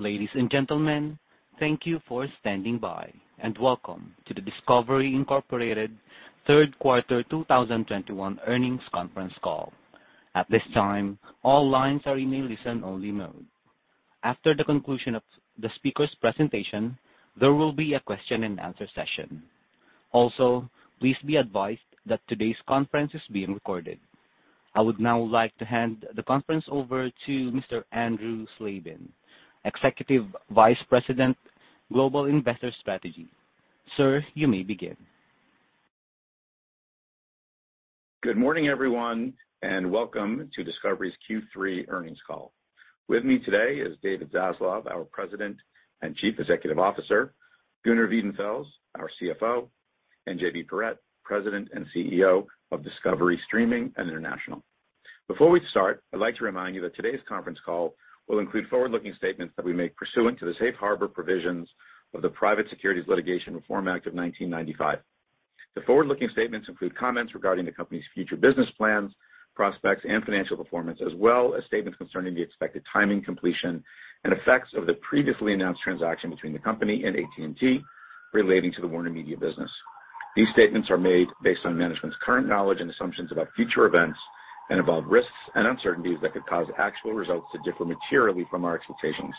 Ladies and gentlemen, thank you for standing by, and welcome to the Discovery, Inc. Q3 2021 Earnings Conference Call. At this time, all lines are in a listen-only mode. After the conclusion of the speaker's presentation, there will be a question and answer session. Also, please be advised that today's conference is being recorded. I would now like to hand the conference over to Mr. Andrew Slabin, Executive Vice President, Global Investor Strategy. Sir, you may begin. Good morning, everyone, and welcome to Discovery's Q3 Earnings Call. With me today is David Zaslav, our President and Chief Executive Officer, Gunnar Wiedenfels, our CFO, and JB Perrette, President and CEO of Discovery Streaming and International. Before we start, I'd like to remind you that today's conference call will include forward-looking statements that we make pursuant to the safe harbor provisions of the Private Securities Litigation Reform Act of 1995. The forward-looking statements include comments regarding the company's future business plans, prospects, and financial performance, as well as statements concerning the expected timing, completion, and effects of the previously announced transaction between the company and AT&T relating to the WarnerMedia business. These statements are made based on management's current knowledge and assumptions about future events and involve risks and uncertainties that could cause actual results to differ materially from our expectations.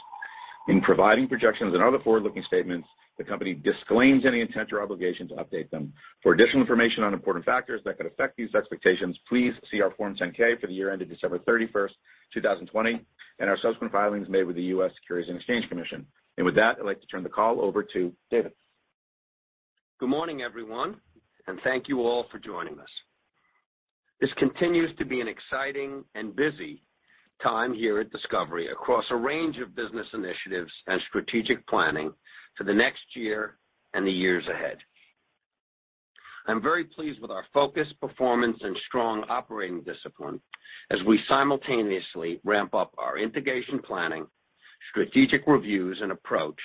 In providing projections and other forward-looking statements, the company disclaims any intent or obligation to update them. For additional information on important factors that could affect these expectations, please see our Form 10-K for the year ended December 31st, 2020, and our subsequent filings made with the U.S. Securities and Exchange Commission. With that, I'd like to turn the call over to David. Good morning, everyone, and thank you all for joining us. This continues to be an exciting and busy time here at Discovery across a range of business initiatives and strategic planning for the next year and the years ahead. I'm very pleased with our focused performance and strong operating discipline as we simultaneously ramp up our integration planning, strategic reviews, and approach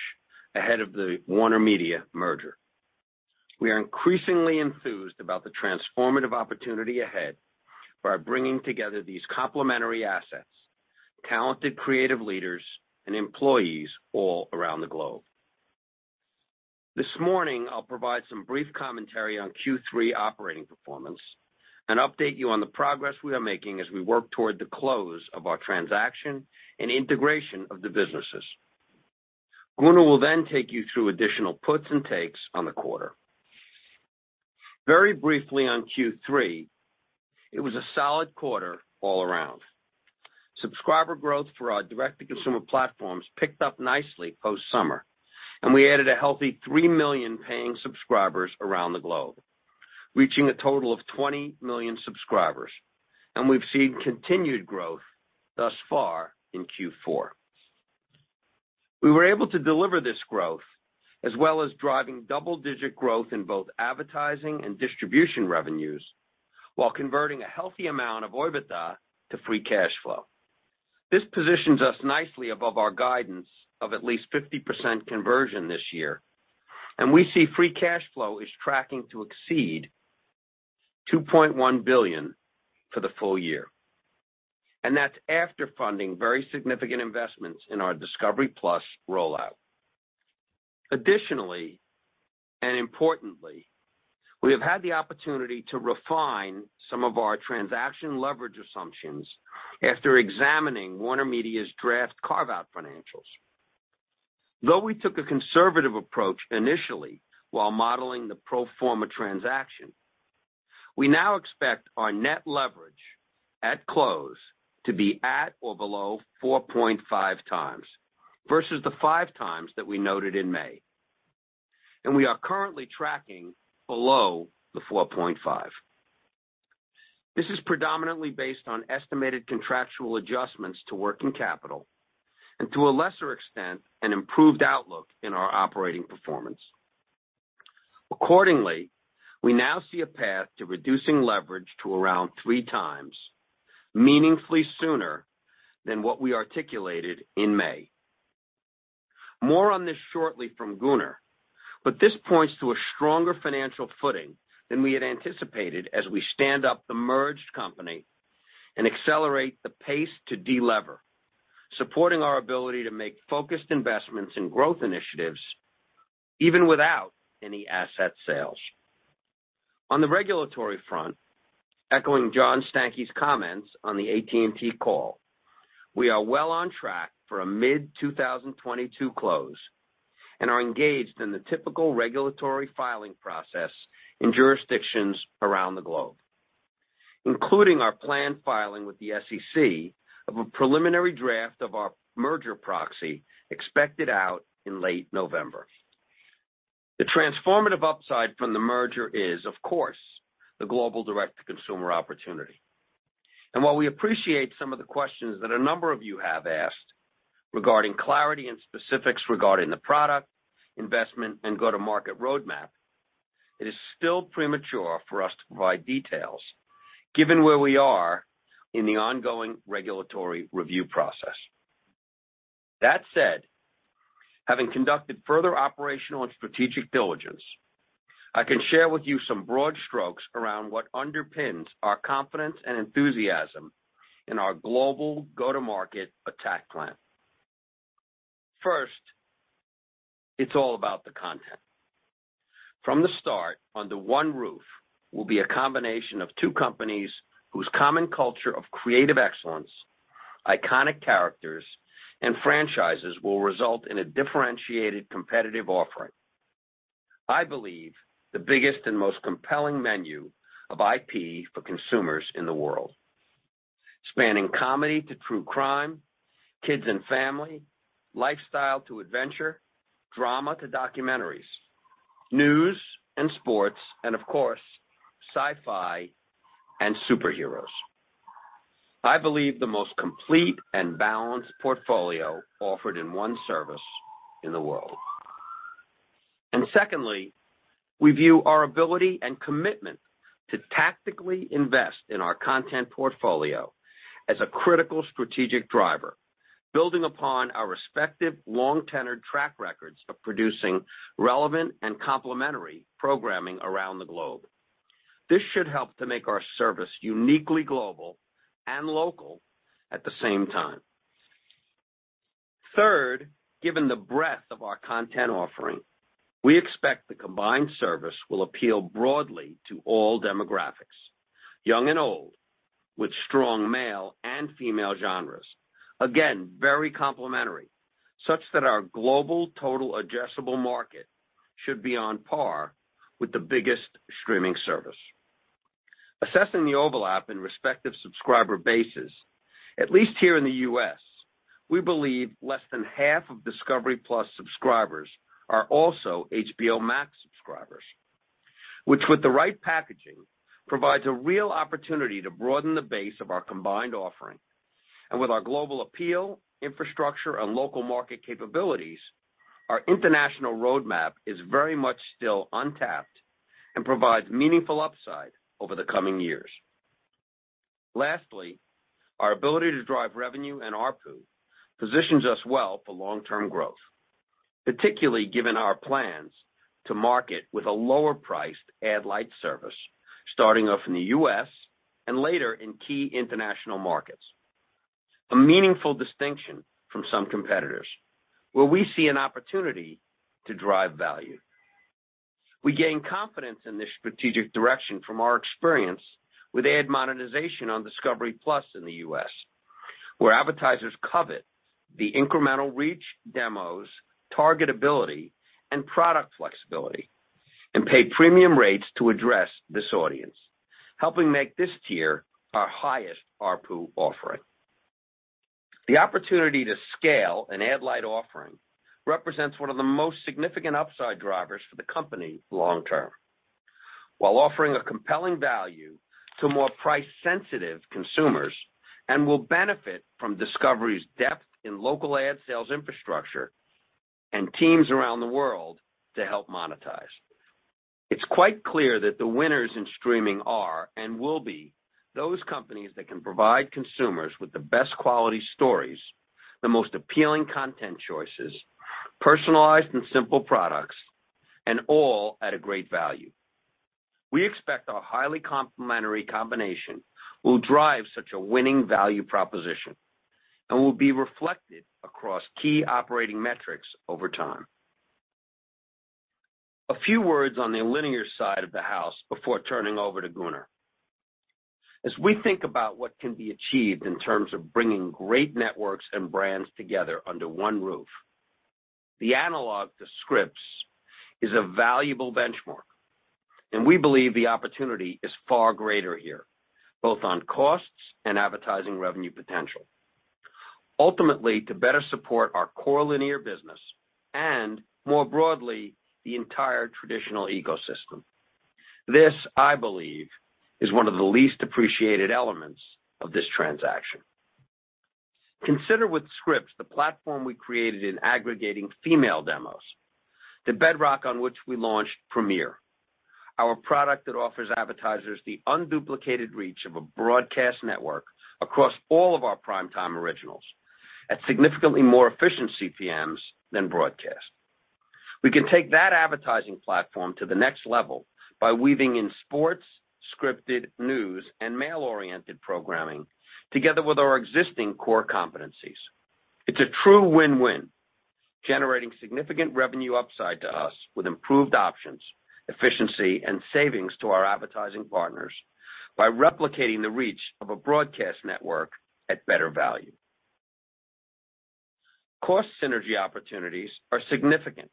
ahead of the WarnerMedia merger. We are increasingly enthused about the transformative opportunity ahead by bringing together these complementary assets, talented creative leaders and employees all around the globe. This morning, I'll provide some brief commentary on Q3 operating performance and update you on the progress we are making as we work toward the close of our transaction and integration of the businesses. Gunnar will then take you through additional puts and takes on the quarter. Very briefly on Q3, it was a solid quarter all around. Subscriber growth for our direct-to-consumer platforms picked up nicely post-summer, and we added a healthy 3 million paying subscribers around the globe, reaching a total of 20 million subscribers, and we've seen continued growth thus far in Q4. We were able to deliver this growth, as well as driving double-digit growth in both advertising and distribution revenues while converting a healthy amount of OIBDA to free cash flow. This positions us nicely above our guidance of at least 50% conversion this year, and we see free cash flow is tracking to exceed $2.1 billion for the full year. That's after funding very significant investments in our Discovery+ rollout. Additionally, and importantly, we have had the opportunity to refine some of our transaction leverage assumptions after examining WarnerMedia's draft carve-out financials. Though we took a conservative approach initially while modeling the pro forma transaction, we now expect our net leverage at close to be at or below 4.5x versus the 5x that we noted in May. We are currently tracking below the 4.5x. This is predominantly based on estimated contractual adjustments to working capital and, to a lesser extent, an improved outlook in our operating performance. Accordingly, we now see a path to reducing leverage to around 3x meaningfully sooner than what we articulated in May. More on this shortly from Gunnar, but this points to a stronger financial footing than we had anticipated as we stand up the merged company and accelerate the pace to delever, supporting our ability to make focused investments in growth initiatives even without any asset sales. On the regulatory front, echoing John Stankey's comments on the AT&T call, we are well on track for a mid-2022 close and are engaged in the typical regulatory filing process in jurisdictions around the globe, including our planned filing with the SEC of a preliminary draft of our merger proxy expected out in late November. The transformative upside from the merger is, of course, the global direct-to-consumer opportunity. While we appreciate some of the questions that a number of you have asked regarding clarity and specifics regarding the product, investment, and go-to-market roadmap, it is still premature for us to provide details given where we are in the ongoing regulatory review process. That said, having conducted further operational and strategic diligence, I can share with you some broad strokes around what underpins our confidence and enthusiasm in our global go-to-market attack plan. First, it's all about the content. From the start, under one roof will be a combination of two companies whose common culture of creative excellence, iconic characters, and franchises will result in a differentiated competitive offering. I believe the biggest and most compelling menu of IP for consumers in the world, spanning comedy to true crime, kids and family, lifestyle to adventure, drama to documentaries, news and sports, and of course, sci-fi and superheroes. I believe the most complete and balanced portfolio offered in one service in the world. Secondly, we view our ability and commitment to tactically invest in our content portfolio as a critical strategic driver, building upon our respective long-tenured track records of producing relevant and complementary programming around the globe. This should help to make our service uniquely global and local at the same time. Third, given the breadth of our content offering, we expect the combined service will appeal broadly to all demographics, young and old, with strong male and female genres. Again, very complementary, such that our global total addressable market should be on par with the biggest streaming service. Assessing the overlap in respective subscriber bases, at least here in the U.S., we believe less than half of Discovery+ subscribers are also HBO Max subscribers, which with the right packaging, provides a real opportunity to broaden the base of our combined offering. With our global appeal, infrastructure, and local market capabilities, our international roadmap is very much still untapped and provides meaningful upside over the coming years. Lastly, our ability to drive revenue and ARPU positions us well for long-term growth, particularly given our plans to market with a lower-priced ad light service starting off in the U.S. and later in key international markets, a meaningful distinction from some competitors, where we see an opportunity to drive value. We gain confidence in this strategic direction from our experience with ad monetization on Discovery+ in the U.S., where advertisers covet the incremental reach demos, targetability, and product flexibility, and pay premium rates to address this audience, helping make this tier our highest ARPU offering. The opportunity to scale an ad light offering represents one of the most significant upside drivers for the company long term, while offering a compelling value to more price-sensitive consumers and will benefit from Discovery's depth in local ad sales infrastructure and teams around the world to help monetize. It's quite clear that the winners in streaming are and will be those companies that can provide consumers with the best quality stories, the most appealing content choices, personalized and simple products, and all at a great value. We expect our highly complementary combination will drive such a winning value proposition and will be reflected across key operating metrics over time. A few words on the linear side of the house before turning over to Gunnar. As we think about what can be achieved in terms of bringing great networks and brands together under one roof, the analog to Scripps is a valuable benchmark, and we believe the opportunity is far greater here, both on costs and advertising revenue potential, ultimately, to better support our core linear business and more broadly, the entire traditional ecosystem. This, I believe, is one of the least appreciated elements of this transaction. Consider with Scripps the platform we created in aggregating female demos, the bedrock on which we launched Premiere, our product that offers advertisers the unduplicated reach of a broadcast network across all of our prime time originals at significantly more efficient CPMs than broadcast. We can take that advertising platform to the next level by weaving in sports, scripted news, and male-oriented programming together with our existing core competencies. It's a true win-win, generating significant revenue upside to us with improved options, efficiency, and savings to our advertising partners by replicating the reach of a broadcast network at better value. Cost synergy opportunities are significant.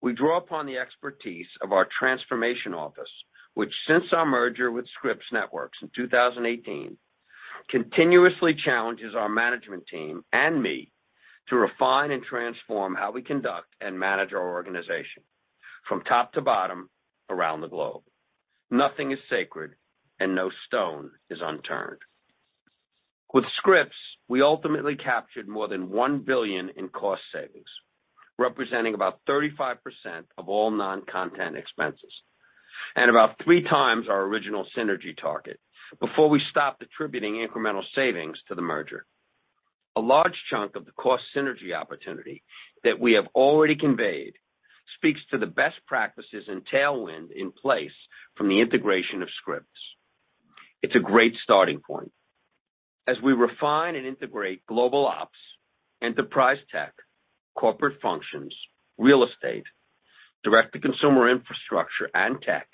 We draw upon the expertise of our transformation office, which since our merger with Scripps Networks in 2018, continuously challenges our management team and me to refine and transform how we conduct and manage our organization from top to bottom around the globe. Nothing is sacred and no stone is unturned. With Scripps, we ultimately captured more than $1 billion in cost savings, representing about 35% of all non-content expenses. About three times our original synergy target before we stop attributing incremental savings to the merger. A large chunk of the cost synergy opportunity that we have already conveyed speaks to the best practices and tailwind in place from the integration of Scripps. It's a great starting point. As we refine and integrate global ops, enterprise tech, corporate functions, real estate, direct-to-consumer infrastructure and tech,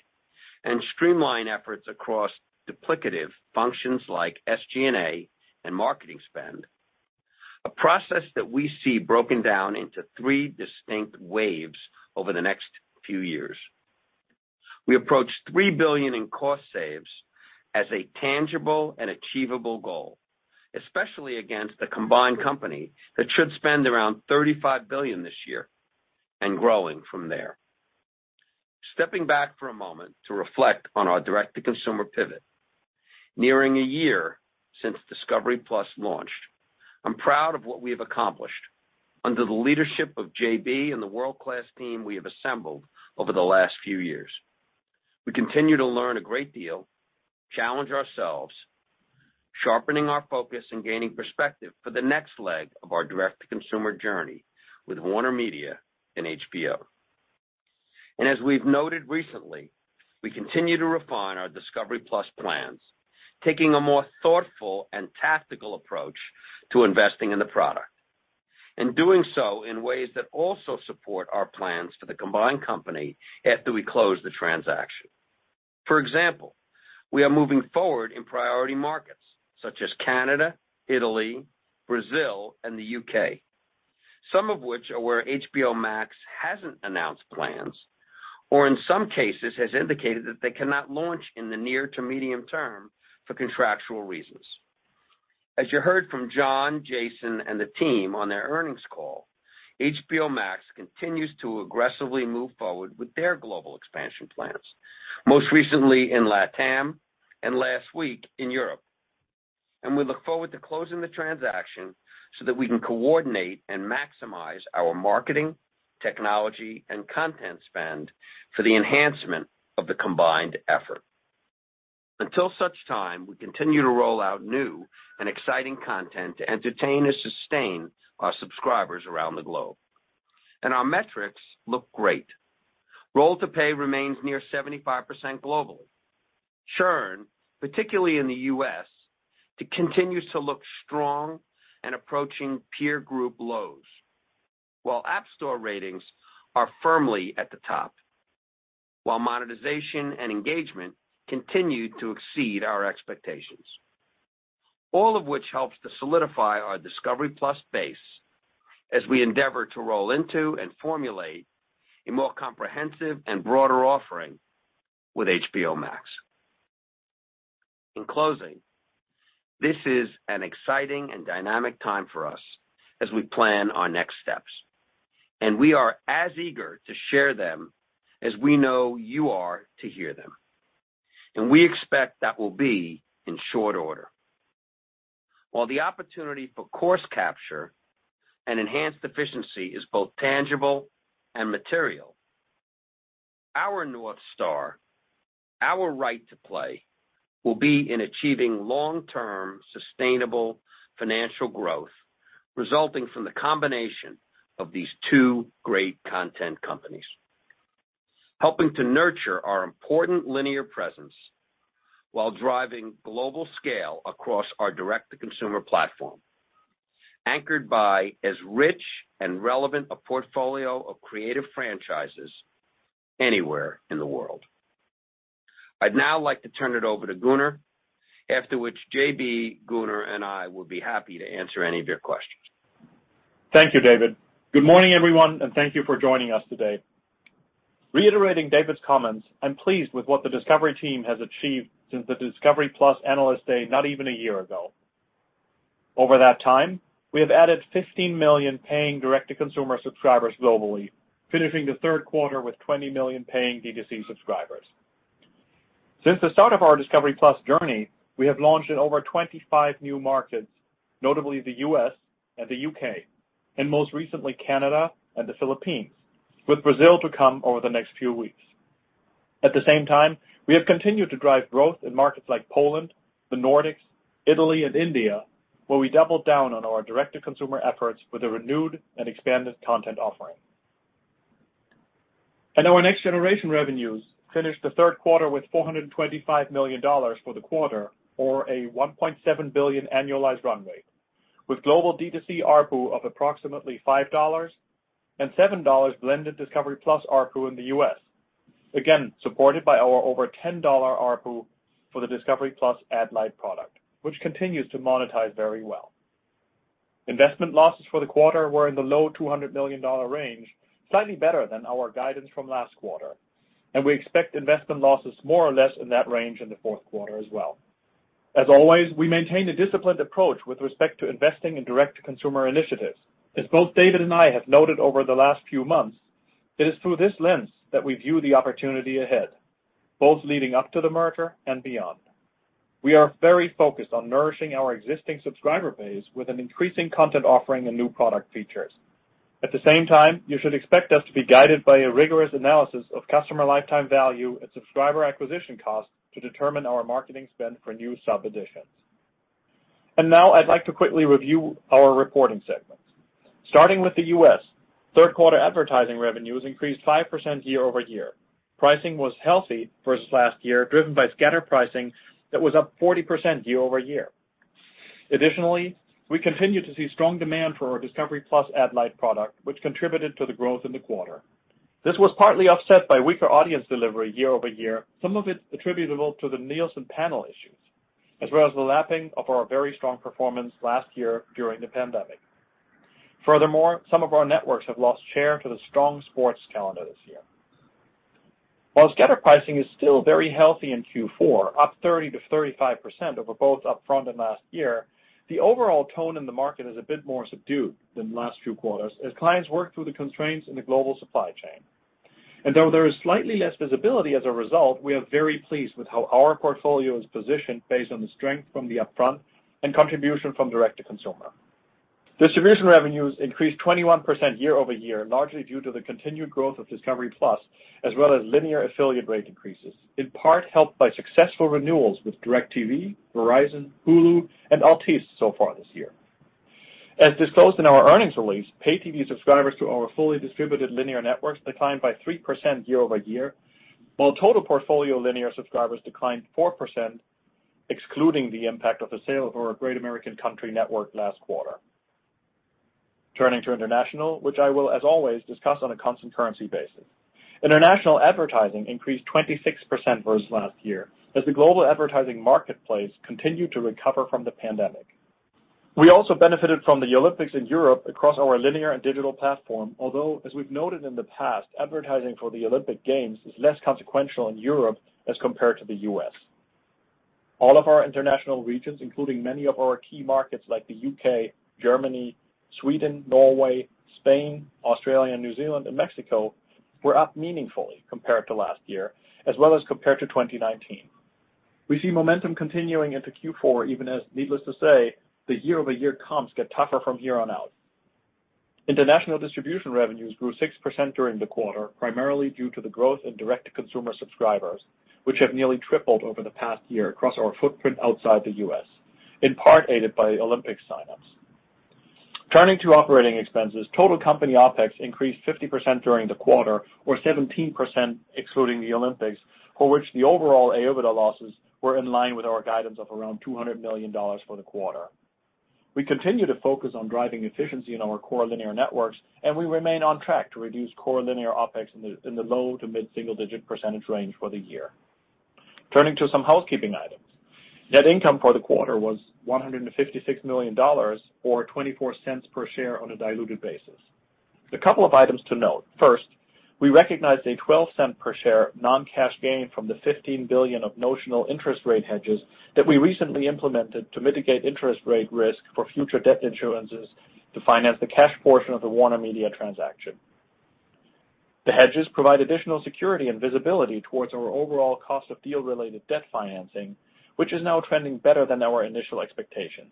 and streamline efforts across duplicative functions like SG&A and marketing spend. A process that we see broken down into three distinct waves over the next few years. We approach $3 billion in cost saves as a tangible and achievable goal, especially against a combined company that should spend around $35 billion this year and growing from there. Stepping back for a moment to reflect on our direct-to-consumer pivot. Nearing a year since Discovery+ launched, I'm proud of what we have accomplished under the leadership of JB and the world-class team we have assembled over the last few years. We continue to learn a great deal, challenge ourselves, sharpening our focus, and gaining perspective for the next leg of our direct-to-consumer journey with WarnerMedia and HBO. We've noted recently, we continue to refine our Discovery+ plans, taking a more thoughtful and tactical approach to investing in the product. Doing so in ways that also support our plans for the combined company after we close the transaction. For example, we are moving forward in priority markets such as Canada, Italy, Brazil, and the U.K. Some of which are where HBO Max hasn't announced plans, or in some cases, has indicated that they cannot launch in the near to medium term for contractual reasons. As you heard from John, Jason, and the team on their earnings call, HBO Max continues to aggressively move forward with their global expansion plans, most recently in LATAM and last week in Europe. We look forward to closing the transaction so that we can coordinate and maximize our marketing, technology, and content spend for the enhancement of the combined effort. Until such time, we continue to roll out new and exciting content to entertain and sustain our subscribers around the globe. Our metrics look great. Roll-to-pay remains near 75% globally. Churn, particularly in the U.S., it continues to look strong and approaching peer group lows. While App Store ratings are firmly at the top, while monetization and engagement continue to exceed our expectations. All of which helps to solidify our Discovery+ base as we endeavor to roll into and formulate a more comprehensive and broader offering with HBO Max. In closing, this is an exciting and dynamic time for us as we plan our next steps, and we are as eager to share them as we know you are to hear them. We expect that will be in short order. While the opportunity for course capture and enhanced efficiency is both tangible and material, our North Star, our right to play, will be in achieving long-term sustainable financial growth resulting from the combination of these two great content companies, helping to nurture our important linear presence while driving global scale across our direct-to-consumer platform, anchored by as rich and relevant a portfolio of creative franchises anywhere in the world. I'd now like to turn it over to Gunnar, after which JB, Gunnar, and I will be happy to answer any of your questions. Thank you, David. Good morning, everyone, and thank you for joining us today. Reiterating David's comments, I'm pleased with what the Discovery team has achieved since the Discovery+ Analyst Day not even a year ago. Over that time, we have added 15 million paying direct-to-consumer subscribers globally, finishing the third quarter with 20 million paying D2C subscribers. Since the start of our Discovery+ journey, we have launched in over 25 new markets, notably the U.S. and the U.K., and most recently, Canada and the Philippines, with Brazil to come over the next few weeks. At the same time, we have continued to drive growth in markets like Poland, the Nordics, Italy, and India, where we doubled down on our direct-to-consumer efforts with a renewed and expanded content offering. Our next generation revenues finished the third quarter with $425 million for the quarter or a $1.7 billion annualized run rate, with global D2C ARPU of approximately $5 and $7 blended Discovery+ ARPU in the U.S. Again, supported by our over $10 ARPU for the Discovery+ ad-light product, which continues to monetize very well. Investment losses for the quarter were in the low $200 million range, slightly better than our guidance from last quarter, and we expect investment losses more or less in that range in the fourth quarter as well. As always, we maintain a disciplined approach with respect to investing in direct-to-consumer initiatives. As both David and I have noted over the last few months, it is through this lens that we view the opportunity ahead, both leading up to the merger and beyond. We are very focused on nourishing our existing subscriber base with an increasing content offering and new product features. At the same time, you should expect us to be guided by a rigorous analysis of customer lifetime value and subscriber acquisition costs to determine our marketing spend for new sub additions. Now I'd like to quickly review our reporting segments. Starting with the U.S., third quarter advertising revenues increased 5% year-over-year. Pricing was healthy versus last year, driven by scatter pricing that was up 40% year-over-year. Additionally, we continue to see strong demand for our Discovery+ ad light product, which contributed to the growth in the quarter. This was partly offset by weaker audience delivery year-over-year, some of it attributable to the Nielsen panel issues, as well as the lapping of our very strong performance last year during the pandemic. Furthermore, some of our networks have lost share to the strong sports calendar this year. While scatter pricing is still very healthy in Q4, up 30%-35% over both upfront and last year, the overall tone in the market is a bit more subdued than the last few quarters as clients work through the constraints in the global supply chain. Though there is slightly less visibility as a result, we are very pleased with how our portfolio is positioned based on the strength from the upfront and contribution from direct-to-consumer. Distribution revenues increased 21% year-over-year, largely due to the continued growth of Discovery+, as well as linear affiliate rate increases, in part helped by successful renewals with DIRECTV, Verizon, Hulu and Altice so far this year. As disclosed in our earnings release, pay TV subscribers to our fully distributed linear networks declined by 3% year-over-year, while total portfolio linear subscribers declined 4%, excluding the impact of the sale of our Great American Country network last quarter. Turning to international, which I will, as always, discuss on a constant currency basis. International advertising increased 26% versus last year as the global advertising marketplace continued to recover from the pandemic. We also benefited from the Olympics in Europe across our linear and digital platform, although, as we've noted in the past, advertising for the Olympic Games is less consequential in Europe as compared to the U.S. All of our international regions, including many of our key markets like the U.K., Germany, Sweden, Norway, Spain, Australia, New Zealand and Mexico, were up meaningfully compared to last year as well as compared to 2019. We see momentum continuing into Q4, even as needless to say, the year-over-year comps get tougher from here on out. International distribution revenues grew 6% during the quarter, primarily due to the growth in direct-to-consumer subscribers, which have nearly tripled over the past year across our footprint outside the U.S., in part aided by Olympic signups. Turning to operating expenses, total company OpEx increased 50% during the quarter, or 17% excluding the Olympics, for which the overall AOIBDA losses were in line with our guidance of around $200 million for the quarter. We continue to focus on driving efficiency in our core linear networks, and we remain on track to reduce core linear OpEx in the low- to mid-single-digit percentage range for the year. Turning to some housekeeping items. Net income for the quarter was $156 million or $0.24 per share on a diluted basis. A couple of items to note. First, we recognized a $0.12 per share non-cash gain from the $15 billion of notional interest rate hedges that we recently implemented to mitigate interest rate risk for future debt issuances to finance the cash portion of the WarnerMedia transaction. The hedges provide additional security and visibility towards our overall cost of deal related debt financing, which is now trending better than our initial expectations.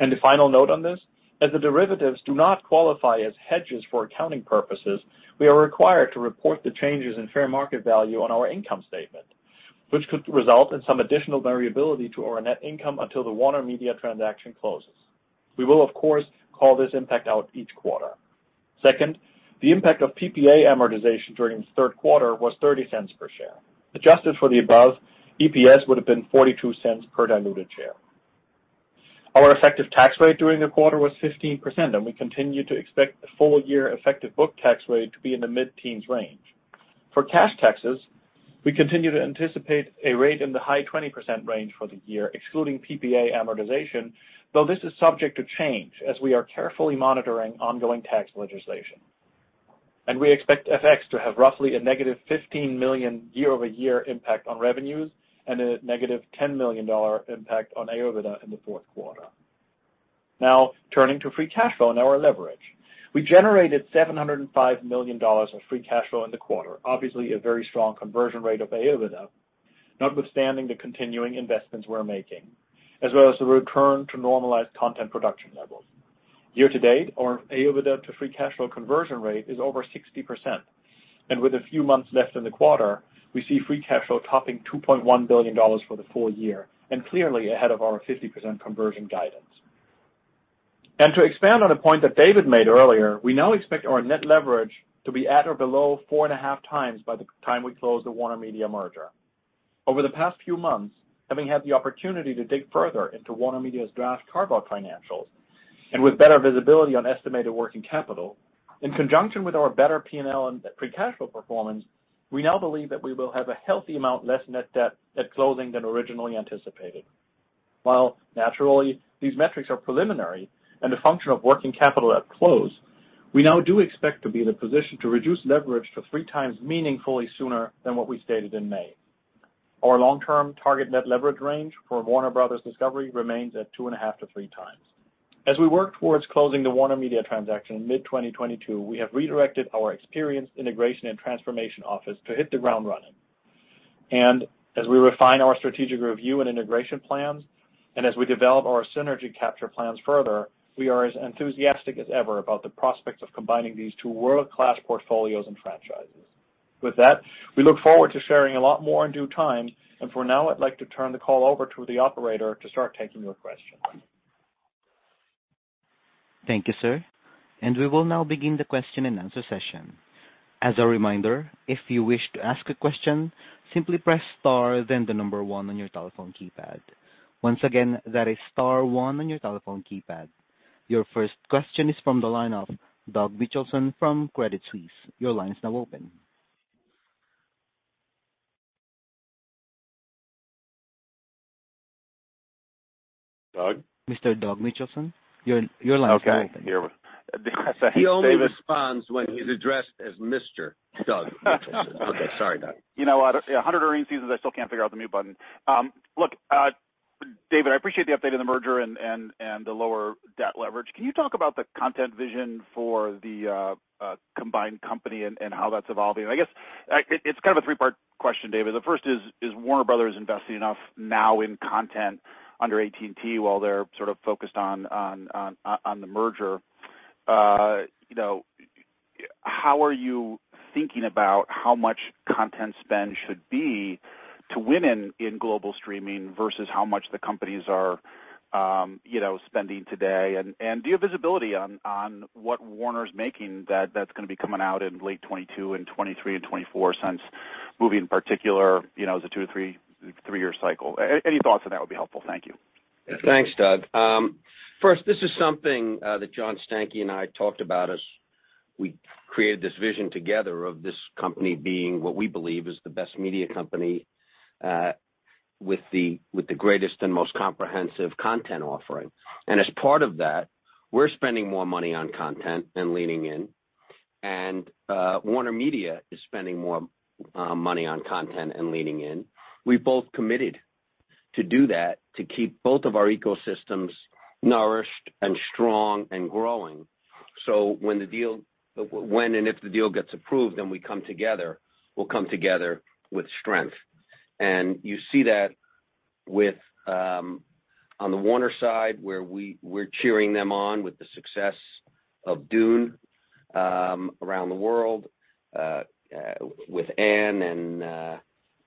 The final note on this, as the derivatives do not qualify as hedges for accounting purposes, we are required to report the changes in fair market value on our income statement, which could result in some additional variability to our net income until the WarnerMedia transaction closes. We will of course, call this impact out each quarter. Second, the impact of PPA amortization during the third quarter was $0.30 per share. Adjusted for the above, EPS would have been $0.42 per diluted share. Our effective tax rate during the quarter was 15%, and we continue to expect the full year effective book tax rate to be in the mid-teens range. For cash taxes, we continue to anticipate a rate in the high 20% range for the year, excluding PPA amortization, though this is subject to change as we are carefully monitoring ongoing tax legislation. We expect FX to have roughly a negative $15 million year-over-year impact on revenues and a -$10 million impact on AOIBDA in the fourth quarter. Now turning to free cash flow and our leverage. We generated $705 million of free cash flow in the quarter. Obviously a very strong conversion rate of AOIBDA, notwithstanding the continuing investments we're making, as well as the return to normalized content production levels. Year to date, our AOIBDA to free cash flow conversion rate is over 60%. With a few months left in the quarter, we see free cash flow topping $2.1 billion for the full year and clearly ahead of our 50% conversion guidance. To expand on a point that David made earlier, we now expect our net leverage to be at or below 4.5 times by the time we close the WarnerMedia merger. Over the past few months, having had the opportunity to dig further into WarnerMedia's draft carve out financials and with better visibility on estimated working capital, in conjunction with our better P&L and free cash flow performance, we now believe that we will have a healthy amount less net debt at closing than originally anticipated. While naturally, these metrics are preliminary and a function of working capital at close, we now do expect to be in a position to reduce leverage to 3x meaningfully sooner than what we stated in May. Our long-term target net leverage range for Warner Bros. Discovery remains at 2.5x-3x. As we work towards closing the WarnerMedia transaction in mid-2022, we have redirected our experienced integration and transformation office to hit the ground running. As we refine our strategic review and integration plans, and as we develop our synergy capture plans further, we are as enthusiastic as ever about the prospects of combining these two world-class portfolios and franchises. With that, we look forward to sharing a lot more in due time. For now, I'd like to turn the call over to the operator to start taking your questions. Thank you, sir. We will now begin the question-and-answer session. As a reminder, if you wish to ask a question, simply press star then the number one on your telephone keypad. Once again, that is star one on your telephone keypad. Your first question is from the line of Doug Mitchelson from Credit Suisse. Your line is now open. Doug? Mr. Doug Mitchelson, your line is open. Okay. Here. Sorry, David. He only responds when he's addressed as Mr. Doug Mitchelson. Okay. Sorry, Doug. You know what? 100 earnings seasons, I still can't figure out the mute button. Look, David, I appreciate the update on the merger and the lower debt leverage. Can you talk about the content vision for the combined company and how that's evolving? I guess, it's kind of a three-part question, David. The first is Warner Bros. investing enough now in content under AT&T while they're sort of focused on the merger? You know, how are you thinking about how much content spend should be to win in global streaming versus how much the companies are, you know, spending today? Do you have visibility on what Warner's making that's gonna be coming out in late 2022 and 2023 and 2024 since movie in particular, you know, is a two- to three-year cycle. Any thoughts on that would be helpful. Thank you. Thanks, Doug. First, this is something that John Stankey and I talked about as we created this vision together of this company being what we believe is the best media company with the greatest and most comprehensive content offering. As part of that, we're spending more money on content and leaning in. WarnerMedia is spending more money on content and leaning in. We both committed to do that to keep both of our ecosystems nourished and strong and growing. When and if the deal gets approved, then we come together. We'll come together with strength. You see that with on the Warner side, where we're cheering them on with the success of Dune around the world with Ann and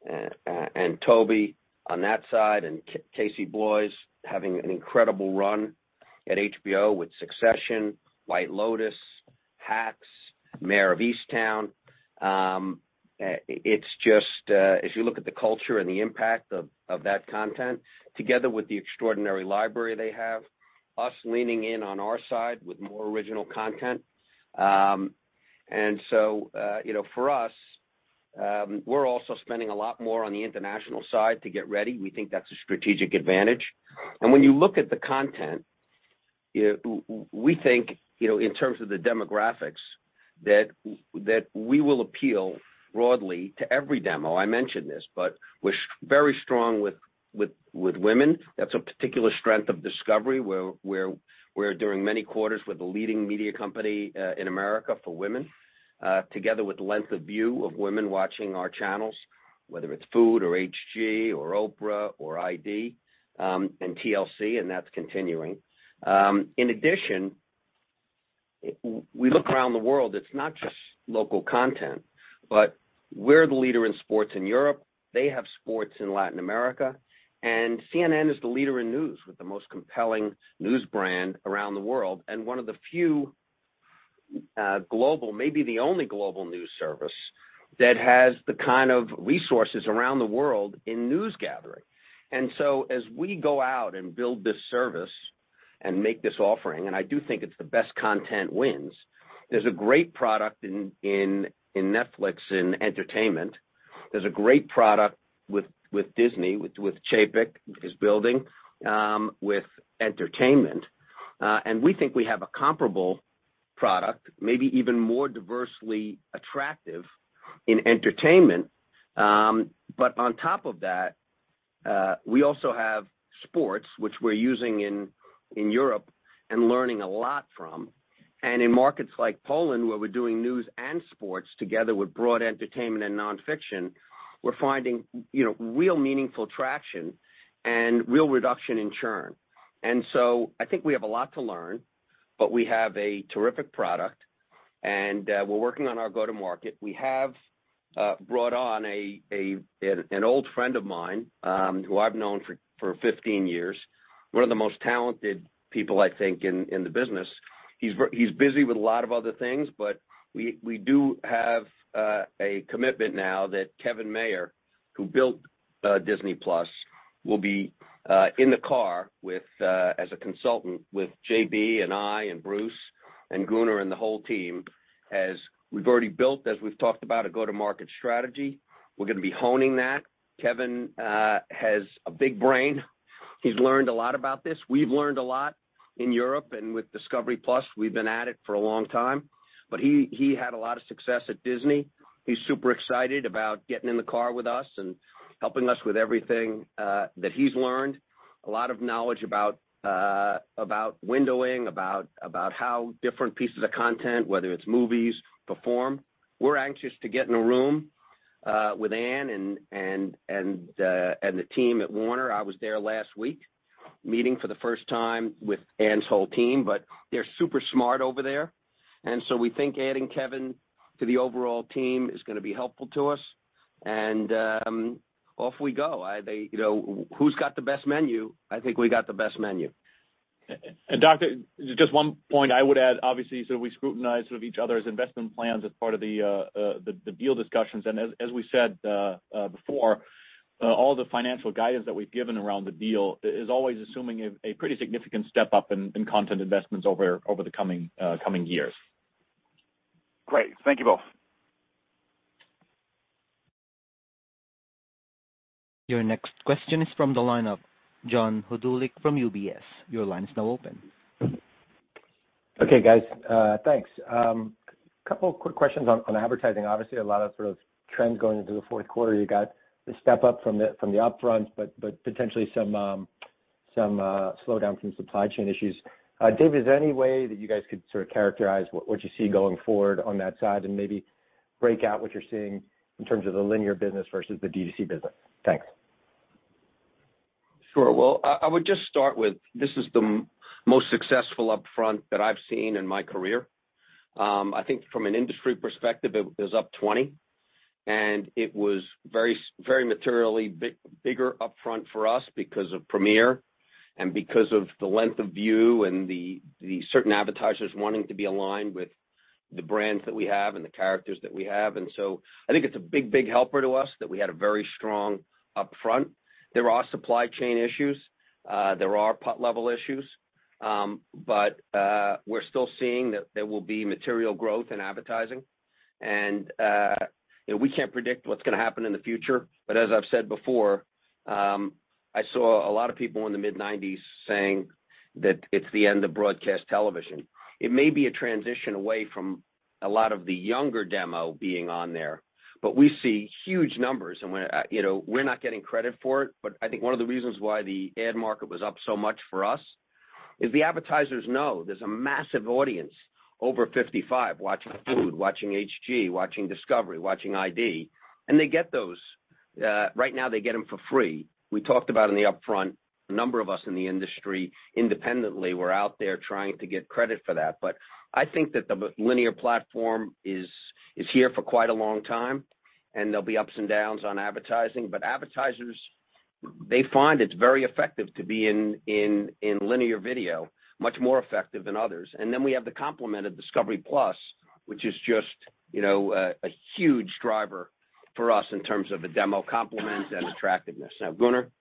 and Toby on that side, and Casey Bloys having an incredible run at HBO with Succession, White Lotus, Hacks, Mare of Easttown. It's just if you look at the culture and the impact of that content together with the extraordinary library they have, us leaning in on our side with more original content. You know, for us, we're also spending a lot more on the international side to get ready. We think that's a strategic advantage. When you look at the content, you know, we think, you know, in terms of the demographics, that we will appeal broadly to every demo. I mentioned this, but we're very strong with women. That's a particular strength of Discovery, where during many quarters, we're the leading media company in America for women, together with length of viewing of women watching our channels, whether it's Food or HG or Oprah or ID, and TLC, and that's continuing. In addition, we look around the world, it's not just local content, but we're the leader in sports in Europe. We have sports in Latin America, and CNN is the leader in news with the most compelling news brand around the world. One of the few global, maybe the only global news service that has the kind of resources around the world in news gathering. As we go out and build this service and make this offering, I do think it's the best content wins. There's a great product in Netflix in entertainment. There's a great product with Disney, with Chapek is building with entertainment. We think we have a comparable product, maybe even more diversely attractive in entertainment. On top of that, we also have sports, which we're using in Europe and learning a lot from. In markets like Poland, where we're doing news and sports together with broad entertainment and nonfiction, we're finding you know real meaningful traction and real reduction in churn. I think we have a lot to learn, but we have a terrific product, and we're working on our go-to-market. We have brought on an old friend of mine, who I've known for 15 years, one of the most talented people, I think, in the business. He's busy with a lot of other things, but we do have a commitment now that Kevin Mayer, who built Disney+, will be in the car with as a consultant with JB and I and Bruce and Gunnar and the whole team. As we've already built, as we've talked about a go-to-market strategy. We're gonna be honing that. Kevin has a big brain. He's learned a lot about this. We've learned a lot in Europe and with Discovery+. We've been at it for a long time. He had a lot of success at Disney. He's super excited about getting in the car with us and helping us with everything that he's learned. A lot of knowledge about windowing, about how different pieces of content, whether it's movies, perform. We're anxious to get in a room with Ann and the team at Warner. I was there last week meeting for the first time with Ann's whole team, but they're super smart over there. Off we go. You know, who's got the best menu? I think we got the best menu. Doctor, just one point I would add, obviously, so we scrutinize sort of each other's investment plans as part of the deal discussions. As we said before, all the financial guidance that we've given around the deal is always assuming a pretty significant step up in content investments over the coming years. Great. Thank you both. Your next question is from the line of John Hodulik from UBS. Your line is now open. Okay, guys. Thanks. A couple quick questions on advertising. Obviously, a lot of sort of trends going into the fourth quarter. You got the step up from the upfront, but potentially some slowdown from supply chain issues. Dave, is there any way that you guys could sort of characterize what you see going forward on that side and maybe break out what you're seeing in terms of the linear business versus the D2C business? Thanks. Sure. Well, I would just start with this is the most successful upfront that I've seen in my career. I think from an industry perspective, it was up 20%, and it was very materially bigger upfront for us because of Premiere and because of the length of view and the certain advertisers wanting to be aligned with the brands that we have and the characters that we have. I think it's a big helper to us that we had a very strong upfront. There are supply chain issues. There are POT level issues. We're still seeing that there will be material growth in advertising. You know, we can't predict what's gonna happen in the future. As I've said before, I saw a lot of people in the mid-1990s saying that it's the end of broadcast television. It may be a transition away from a lot of the younger demo being on there, but we see huge numbers and we're, you know, we're not getting credit for it. I think one of the reasons why the ad market was up so much for us is the advertisers know there's a massive audience over 55 watching Food Network, watching HGTV, watching Discovery, watching ID, and they get those. Right now, they get them for free. We talked about in the upfront, a number of us in the industry independently were out there trying to get credit for that. I think that the linear platform is here for quite a long time, and there'll be ups and downs on advertising. Advertisers, they find it's very effective to be in linear video, much more effective than others. Then we have the complement of Discovery+, which is just, you know, a huge driver for us in terms of the demo complement and attractiveness. Now, Gunnar?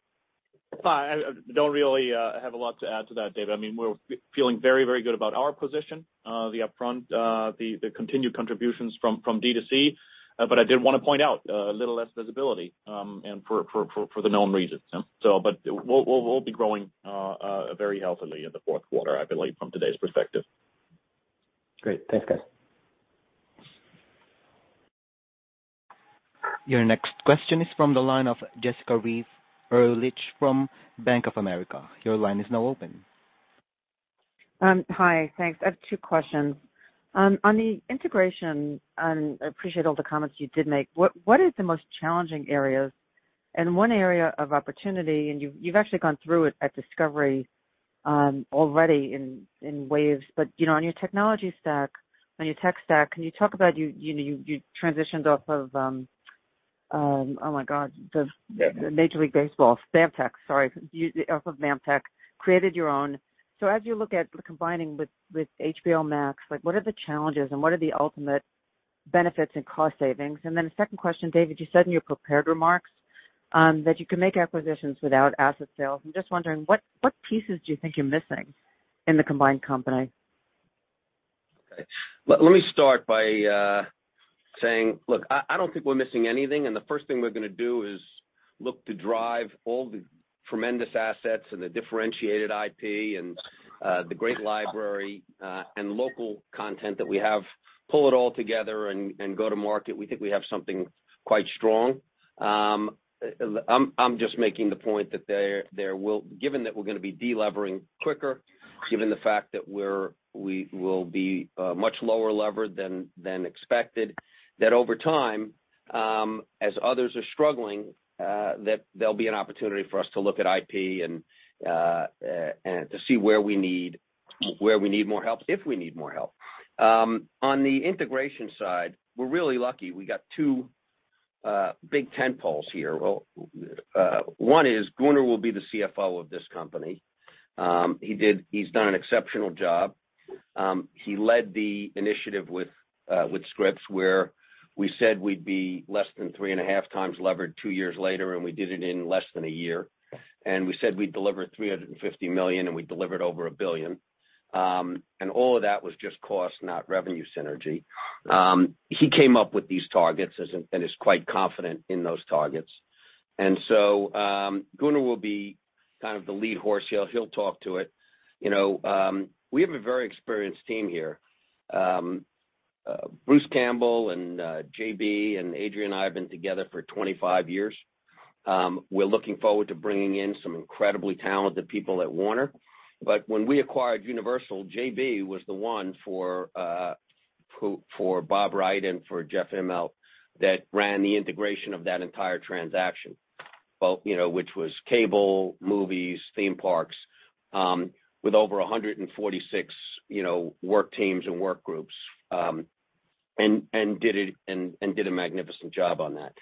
I don't really have a lot to add to that, Dave. I mean, we're feeling very, very good about our position, the upfront, the continued contributions from D2C. But I did wanna point out a little less visibility, and for the known reasons. We'll be growing very healthily in the fourth quarter, I believe, from today's perspective. Great. Thanks, guys. Your next question is from the line of Jessica Reif Ehrlich from Bank of America. Your line is now open. Hi. Thanks. I have two questions. On the integration, and I appreciate all the comments you did make, what is the most challenging areas? One area of opportunity, and you've actually gone through it at Discovery already in waves. You know, on your technology stack, on your tech stack, can you talk about you know you transitioned off of oh my God, the Major League Baseball BAMTech, sorry. Off of BAMTech, created your own. So as you look at combining with HBO Max, like, what are the challenges and what are the ultimate benefits and cost savings? Then a second question, David, you said in your prepared remarks that you can make acquisitions without asset sales. I'm just wondering what pieces do you think you're missing in the combined company? Okay. Let me start by saying, look, I don't think we're missing anything, and the first thing we're gonna do is look to drive all the tremendous assets and the differentiated IP and the great library and local content that we have, pull it all together and go to market. We think we have something quite strong. I'm just making the point that, given that we're gonna be deleveraging quicker, given the fact that we will be much lower leverage than expected, that over time, as others are struggling, there'll be an opportunity for us to look at IP and to see where we need more help, if we need more help. On the integration side, we're really lucky. We got two big tentpoles here. Well, one is Gunnar will be the CFO of this company. He’s done an exceptional job. He led the initiative with Scripps, where we said we'd be less than 3.5 times levered two years later, and we did it in less than a year. We said we'd deliver $350 million, and we delivered over $1 billion. All of that was just cost, not revenue synergy. He came up with these targets and is quite confident in those targets. Gunnar will be kind of the lead horse here. He'll talk to it. You know, we have a very experienced team here. Bruce Campbell and JB and Adrian and I have been together for 25 years. We're looking forward to bringing in some incredibly talented people at Warner. When we acquired Universal, JB was the one who, for Bob Wright and for Jeff Immelt, ran the integration of that entire transaction. Well, you know, which was cable, movies, theme parks, with over 146 work teams and work groups, and did a magnificent job on that.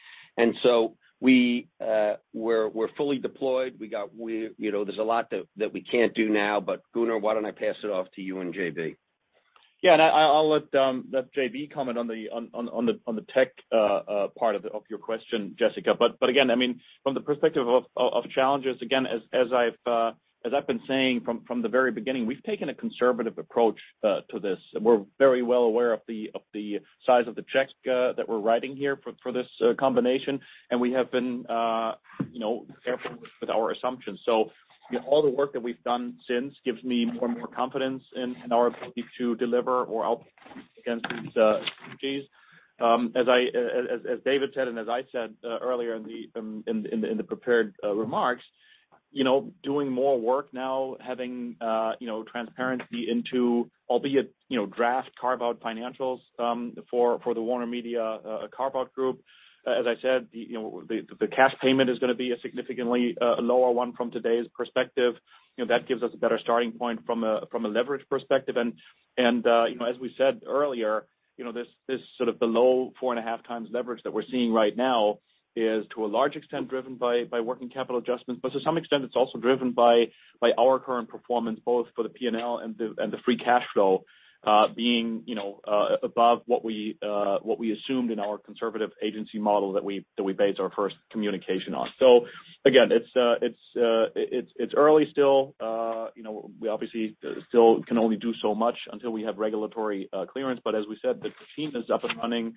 We're fully deployed. We got. You know, there's a lot that we can't do now, but Gunnar, why don't I pass it off to you and JB? I'll let JB comment on the tech part of your question, Jessica. I mean, from the perspective of challenges, again, as I've been saying from the very beginning, we've taken a conservative approach to this. We're very well aware of the size of the checks that we're writing here for this combination. We have been, you know, careful with our assumptions. All the work that we've done since gives me more and more confidence in our ability to deliver or output against these strategies. As David said, and as I said earlier in the prepared remarks, you know, doing more work now, having you know, transparency into albeit, you know, draft carve-out financials for the WarnerMedia carve-out group. As I said, you know, the cash payment is gonna be a significantly lower one from today's perspective. You know, that gives us a better starting point from a leverage perspective. You know, as we said earlier, you know, this sort of below 4.5 times leverage that we're seeing right now is to a large extent driven by working capital adjustments. To some extent, it's also driven by our current performance, both for the P&L and the free cash flow being, you know, above what we assumed in our conservative agency model that we based our first communication on. Again, it's early still. You know, we obviously still can only do so much until we have regulatory clearance. As we said, the team is up and running.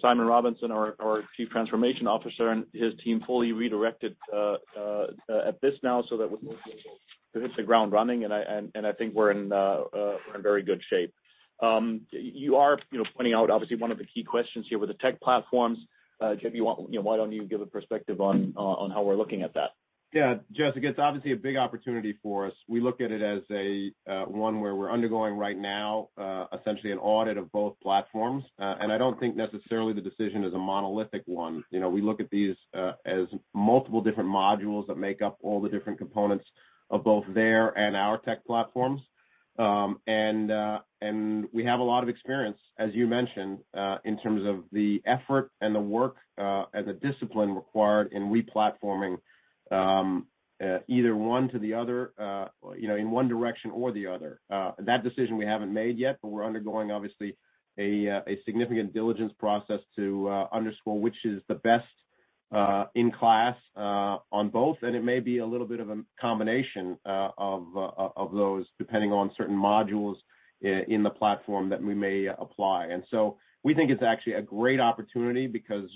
Simon Robinson, our Chief Transformation Officer and his team fully redirected at this now so that we'll be able to hit the ground running. I think we're in very good shape. You are, you know, pointing out obviously one of the key questions here with the tech platforms. You know, why don't you give a perspective on how we're looking at that? Yeah. Jessica, it's obviously a big opportunity for us. We look at it as a one where we're undergoing right now essentially an audit of both platforms. I don't think necessarily the decision is a monolithic one. You know, we look at these as multiple different modules that make up all the different components of both their and our tech platforms. We have a lot of experience, as you mentioned, in terms of the effort and the work and the discipline required in re-platforming either one to the other you know in one direction or the other. That decision we haven't made yet, but we're undergoing obviously a significant diligence process to underscore which is the best in class on both. It may be a little bit of a combination of those depending on certain modules in the platform that we may apply. We think it's actually a great opportunity because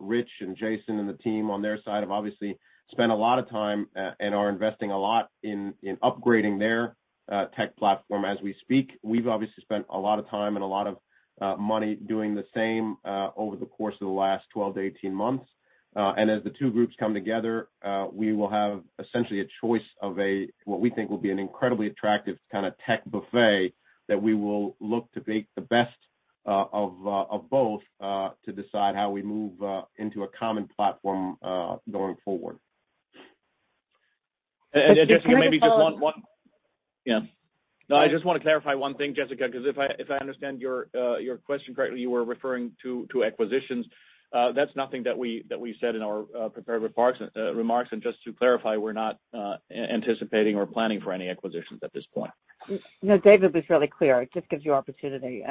Rich and Jason and the team on their side have obviously spent a lot of time and are investing a lot in upgrading their tech platform as we speak. We've obviously spent a lot of time and a lot of money doing the same over the course of the last 12-18 months. As the two groups come together, we will have essentially a choice of what we think will be an incredibly attractive kinda tech buffet that we will look to bake the best of both to decide how we move into a common platform going forward. Jessica, maybe just one. Just to follow up. Yeah. No, I just wanna clarify one thing, Jessica, because if I understand your question correctly, you were referring to acquisitions. That's nothing that we said in our prepared remarks. Just to clarify, we're not anticipating or planning for any acquisitions at this point. No, David was really clear. It just gives you opportunity.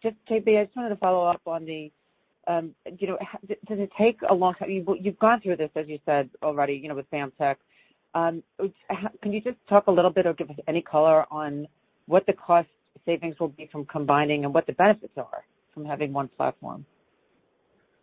Just JB, I just wanted to follow up on the, does it take a long time? You've gone through this, as you said already, with BAMTech. Can you just talk a little bit or give us any color on what the cost savings will be from combining and what the benefits are from having one platform?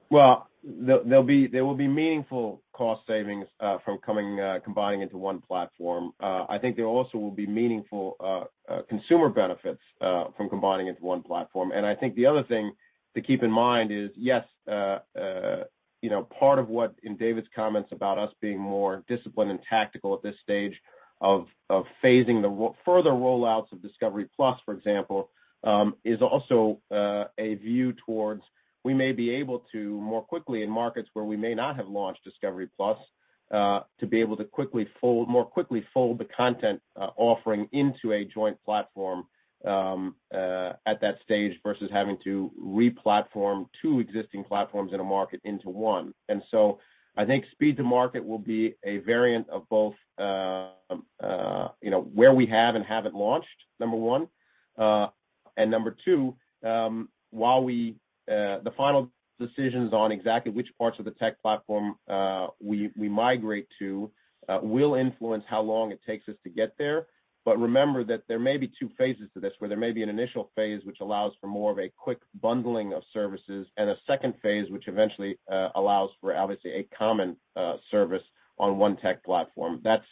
Well, there will be meaningful cost savings from combining into one platform. I think there also will be meaningful consumer benefits from combining into one platform. I think the other thing to keep in mind is, yes, you know, part of what in David's comments about us being more disciplined and tactical at this stage of phasing the further rollouts of Discovery+, for example, is also a view towards we may be able to more quickly in markets where we may not have launched Discovery+, to be able to more quickly fold the content offering into a joint platform at that stage versus having to re-platform two existing platforms in a market into one. I think speed to market will be a variant of both, you know, where we have and haven't launched, number one. Number two, while the final decisions on exactly which parts of the tech platform we migrate to will influence how long it takes us to get there. Remember that there may be two phases to this, where there may be an initial phase which allows for more of a quick bundling of services and a second phase which eventually allows for obviously a common service on one tech platform. That's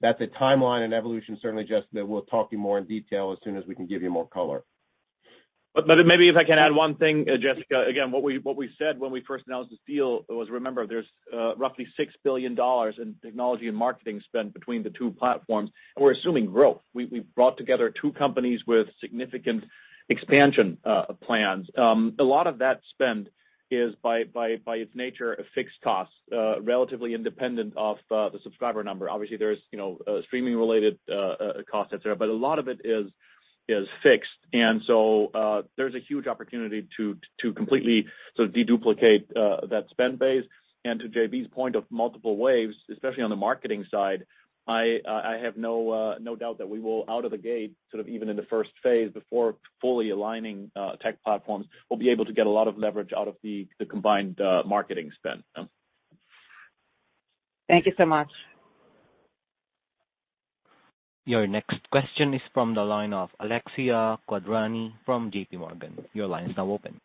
That's a timeline and evolution certainly, Jessica, that we'll talk to you more in detail as soon as we can give you more color. Maybe if I can add one thing, Jessica. Again, what we said when we first announced this deal was, remember, there's roughly $6 billion in technology and marketing spend between the two platforms, and we're assuming growth. We brought together two companies with significant expansion plans. A lot of that spend is by its nature, a fixed cost, relatively independent of the subscriber number. Obviously, there's you know, streaming related costs et cetera. A lot of it is fixed. There's a huge opportunity to completely sort of deduplicate that spend base. To JB's point of multiple waves, especially on the marketing side, I have no doubt that we will out of the gate, sort of even in the first phase before fully aligning tech platforms, we'll be able to get a lot of leverage out of the combined marketing spend. Thank you so much. Your next question is from the line of Alexia Quadrani from J.P. Morgan. Your line is now open.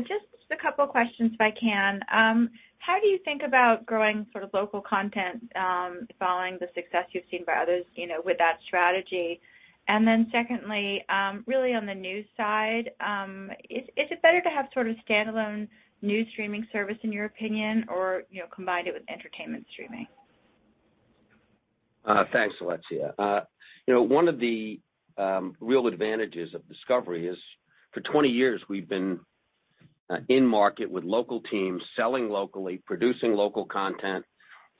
Just a couple of questions if I can. How do you think about growing sort of local content, following the success you've seen by others, you know, with that strategy? Secondly, really on the news side, is it better to have sort of standalone news streaming service in your opinion or, you know, combine it with entertainment streaming? Thanks, Alexia. You know, one of the real advantages of Discovery is for 20 years we've been in market with local teams selling locally, producing local content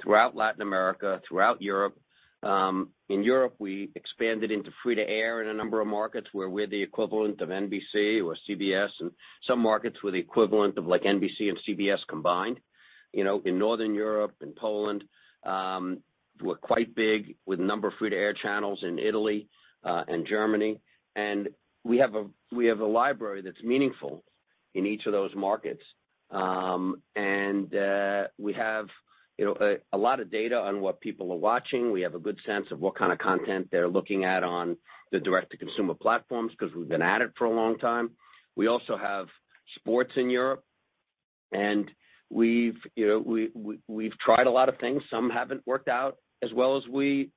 throughout Latin America, throughout Europe. In Europe, we expanded into free-to-air in a number of markets where we're the equivalent of NBC or CBS, and some markets we're the equivalent of like NBC and CBS combined. You know, in Northern Europe, in Poland, we're quite big with a number of free-to-air channels in Italy and Germany. We have a library that's meaningful in each of those markets. We have, you know, a lot of data on what people are watching. We have a good sense of what kind of content they're looking at on the direct-to-consumer platforms because we've been at it for a long time. We also have sports in Europe, and we've tried a lot of things. Some haven't worked out as well as we'd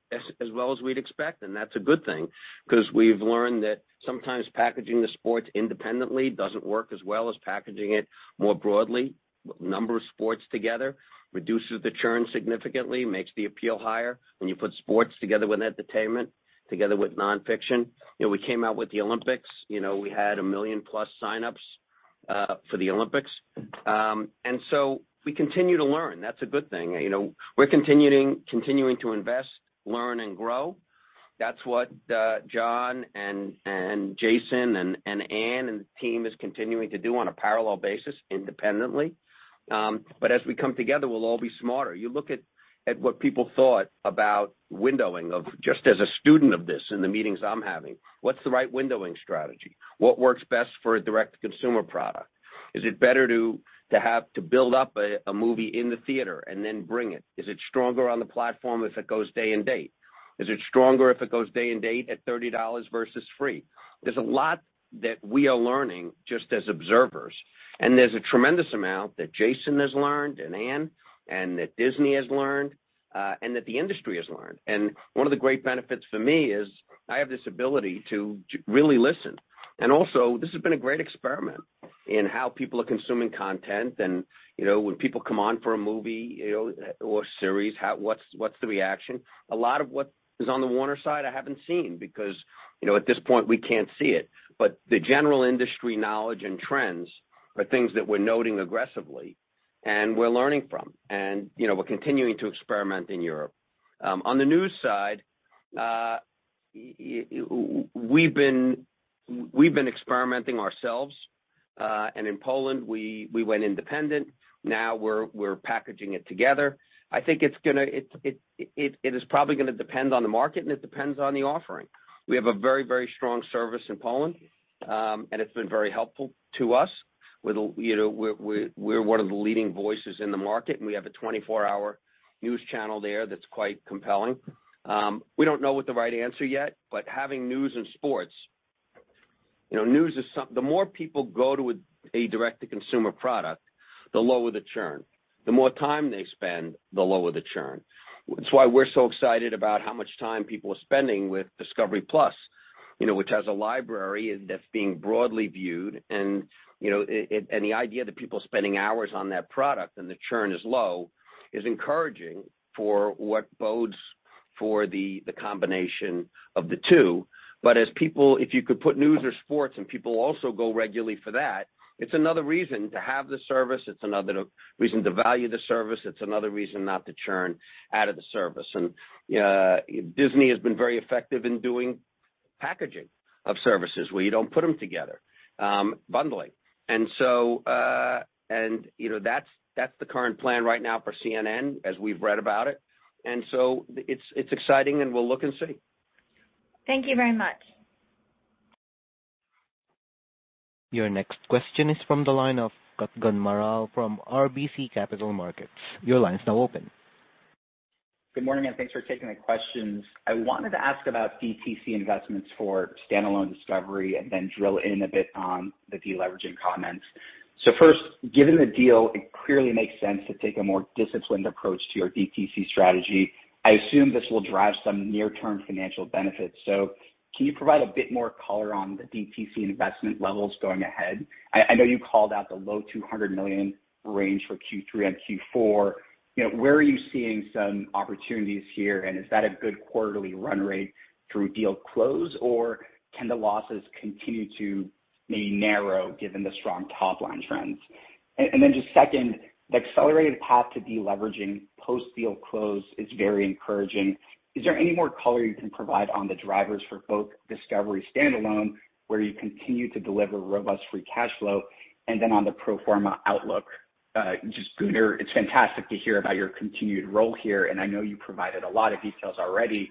expect, and that's a good thing because we've learned that sometimes packaging the sports independently doesn't work as well as packaging it more broadly. A number of sports together reduces the churn significantly, makes the appeal higher when you put sports together with entertainment, together with nonfiction. We came out with the Olympics. We had 1 million+ signups for the Olympics. We continue to learn. That's a good thing. We're continuing to invest, learn and grow. That's what John and Jason and Ann and the team is continuing to do on a parallel basis independently. As we come together, we'll all be smarter. You look at what people thought about windowing of just as a student of this in the meetings I'm having, what's the right windowing strategy? What works best for a direct-to-consumer product? Is it better to have to build up a movie in the theater and then bring it? Is it stronger on the platform if it goes day and date? Is it stronger if it goes day and date at $30 versus free? There's a lot that we are learning just as observers, and there's a tremendous amount that Jason has learned and Ann, and that Disney has learned, and that the industry has learned. One of the great benefits for me is I have this ability to really listen. Also this has been a great experiment in how people are consuming content. You know, when people come on for a movie, you know, or series, how what's the reaction? A lot of what is on the Warner side I haven't seen because, you know, at this point we can't see it. But the general industry knowledge and trends are things that we're noting aggressively and we're learning from. You know, we're continuing to experiment in Europe. On the news side, we've been experimenting ourselves. And in Poland, we went independent. Now we're packaging it together. I think it's gonna. It is probably gonna depend on the market, and it depends on the offering. We have a very strong service in Poland, and it's been very helpful to us. You know, we're one of the leading voices in the market, and we have a 24-hour news channel there that's quite compelling. We don't know what the right answer yet, but having news and sports, you know, the more people go to a direct-to-consumer product, the lower the churn. The more time they spend, the lower the churn. That's why we're so excited about how much time people are spending with Discovery+, you know, which has a library and that's being broadly viewed. You know, the idea that people spending hours on that product and the churn is low, is encouraging for what bodes for the combination of the two. As people if you could put news or sports and people also go regularly for that, it's another reason to have the service. It's another reason to value the service. It's another reason not to churn out of the service. Disney has been very effective in doing packaging of services where you don't put them together, bundling. You know, that's the current plan right now for CNN as we've read about it. It's exciting, and we'll look and see. Thank you very much. Your next question is from the line of Kutgun Maral from RBC Capital Markets. Your line is now open. Good morning, and thanks for taking the questions. I wanted to ask about DTC investments for standalone Discovery and then drill in a bit on the deleveraging comments. First, given the deal, it clearly makes sense to take a more disciplined approach to your DTC strategy. I assume this will drive some near-term financial benefits. Can you provide a bit more color on the DTC investment levels going ahead? I know you called out the low $200 million range for Q3 and Q4. You know, where are you seeing some opportunities here? And is that a good quarterly run rate through deal close, or can the losses continue to maybe narrow given the strong top-line trends? And then just second, the accelerated path to deleveraging post-deal close is very encouraging. Is there any more color you can provide on the drivers for both Discovery standalone, where you continue to deliver robust free cash flow, and then on the pro forma outlook? Just, Gunnar, it's fantastic to hear about your continued role here, and I know you provided a lot of details already.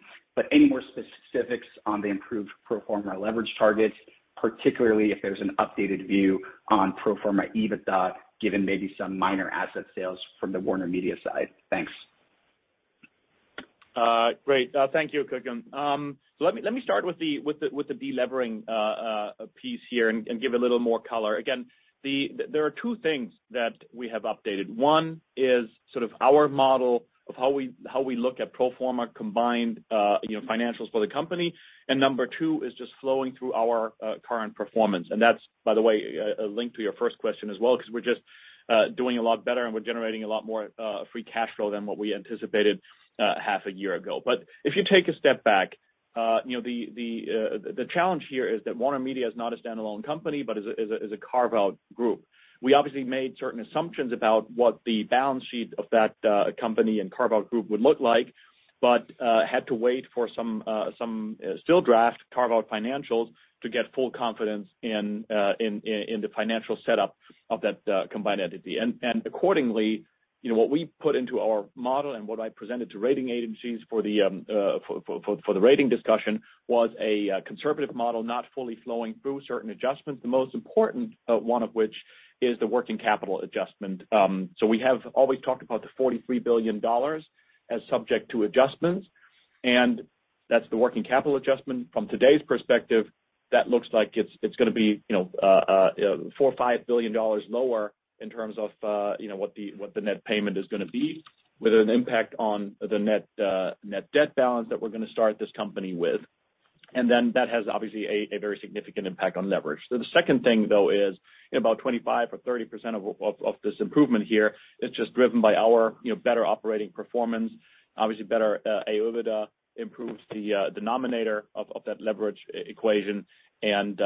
Any more specifics on the improved pro forma leverage targets, particularly if there's an updated view on pro forma EBITDA, given maybe some minor asset sales from the WarnerMedia side? Thanks. Great. Thank you, Kutgun. Let me start with the delevering piece here and give a little more color. Again, there are two things that we have updated. One is sort of our model of how we look at pro forma combined financials for the company. Number two is just flowing through our current performance. That's, by the way, a link to your first question as well, because we're just doing a lot better and we're generating a lot more free cash flow than what we anticipated half a year ago. If you take a step back, you know, the challenge here is that WarnerMedia is not a standalone company but is a carve-out group. We obviously made certain assumptions about what the balance sheet of that company and carve-out group would look like, but had to wait for some still draft carve-out financials to get full confidence in the financial setup of that combined entity. Accordingly, you know, what we put into our model and what I presented to rating agencies for the rating discussion was a conservative model, not fully flowing through certain adjustments, the most important one of which is the working capital adjustment. We have always talked about the $43 billion as subject to adjustments, and that's the working capital adjustment. From today's perspective, that looks like it's gonna be, you know, $4 billion-$5 billion lower in terms of, you know, what the net payment is gonna be, with an impact on the net debt balance that we're gonna start this company with. That has obviously a very significant impact on leverage. The second thing, though, is about 25% or 30% of this improvement here is just driven by our, you know, better operating performance. Obviously, better AOIBDA improves the denominator of that leverage equation, and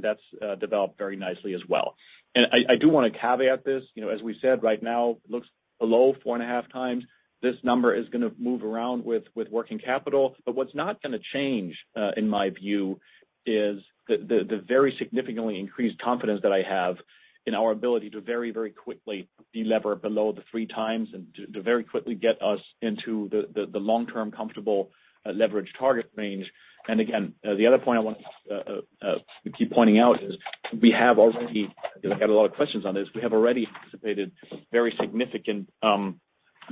that's developed very nicely as well. I do wanna caveat this. You know, as we said, right now looks below 4.5 times. This number is gonna move around with working capital. What's not gonna change in my view is the very significantly increased confidence that I have in our ability to very quickly delever below the 3 times and to very quickly get us into the long-term comfortable leverage target range. The other point I want to keep pointing out is we have already, because I get a lot of questions on this, we have already anticipated very significant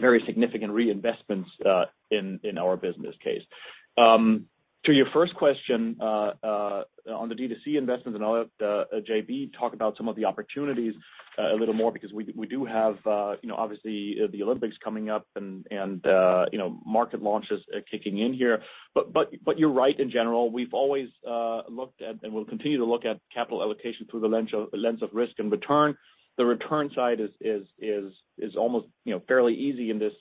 reinvestments in our business case. To your first question on the D2C investments, and I'll let JB talk about some of the opportunities a little more because we do have, you know, obviously, the Olympics coming up and you know market launches kicking in here. You're right in general. We've always looked at, and we'll continue to look at capital allocation through the lens of risk and return. The return side is almost, you know, fairly easy in this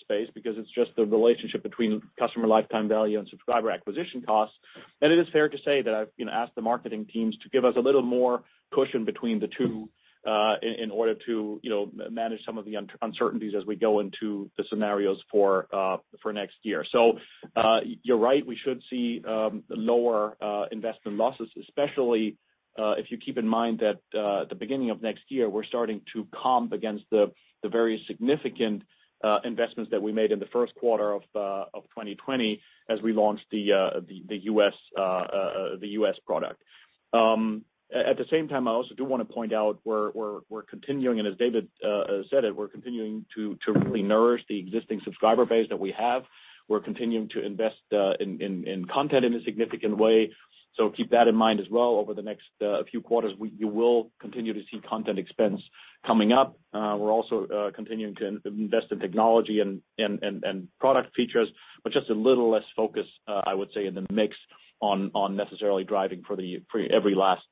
space because it's just the relationship between customer lifetime value and subscriber acquisition costs. It is fair to say that I've, you know, asked the marketing teams to give us a little more cushion between the two, in order to, you know, manage some of the uncertainties as we go into the scenarios for next year. You're right. We should see lower investment losses, especially if you keep in mind that at the beginning of next year, we're starting to comp against the very significant investments that we made in the first quarter of 2020 as we launched the U.S. product. At the same time, I also do wanna point out we're continuing, and as David said, we're continuing to really nourish the existing subscriber base that we have. We're continuing to invest in content in a significant way. Keep that in mind as well. Over the next few quarters, you will continue to see content expense coming up. We're also continuing to invest in technology and product features, but just a little less focus, I would say, in the mix on necessarily driving for every last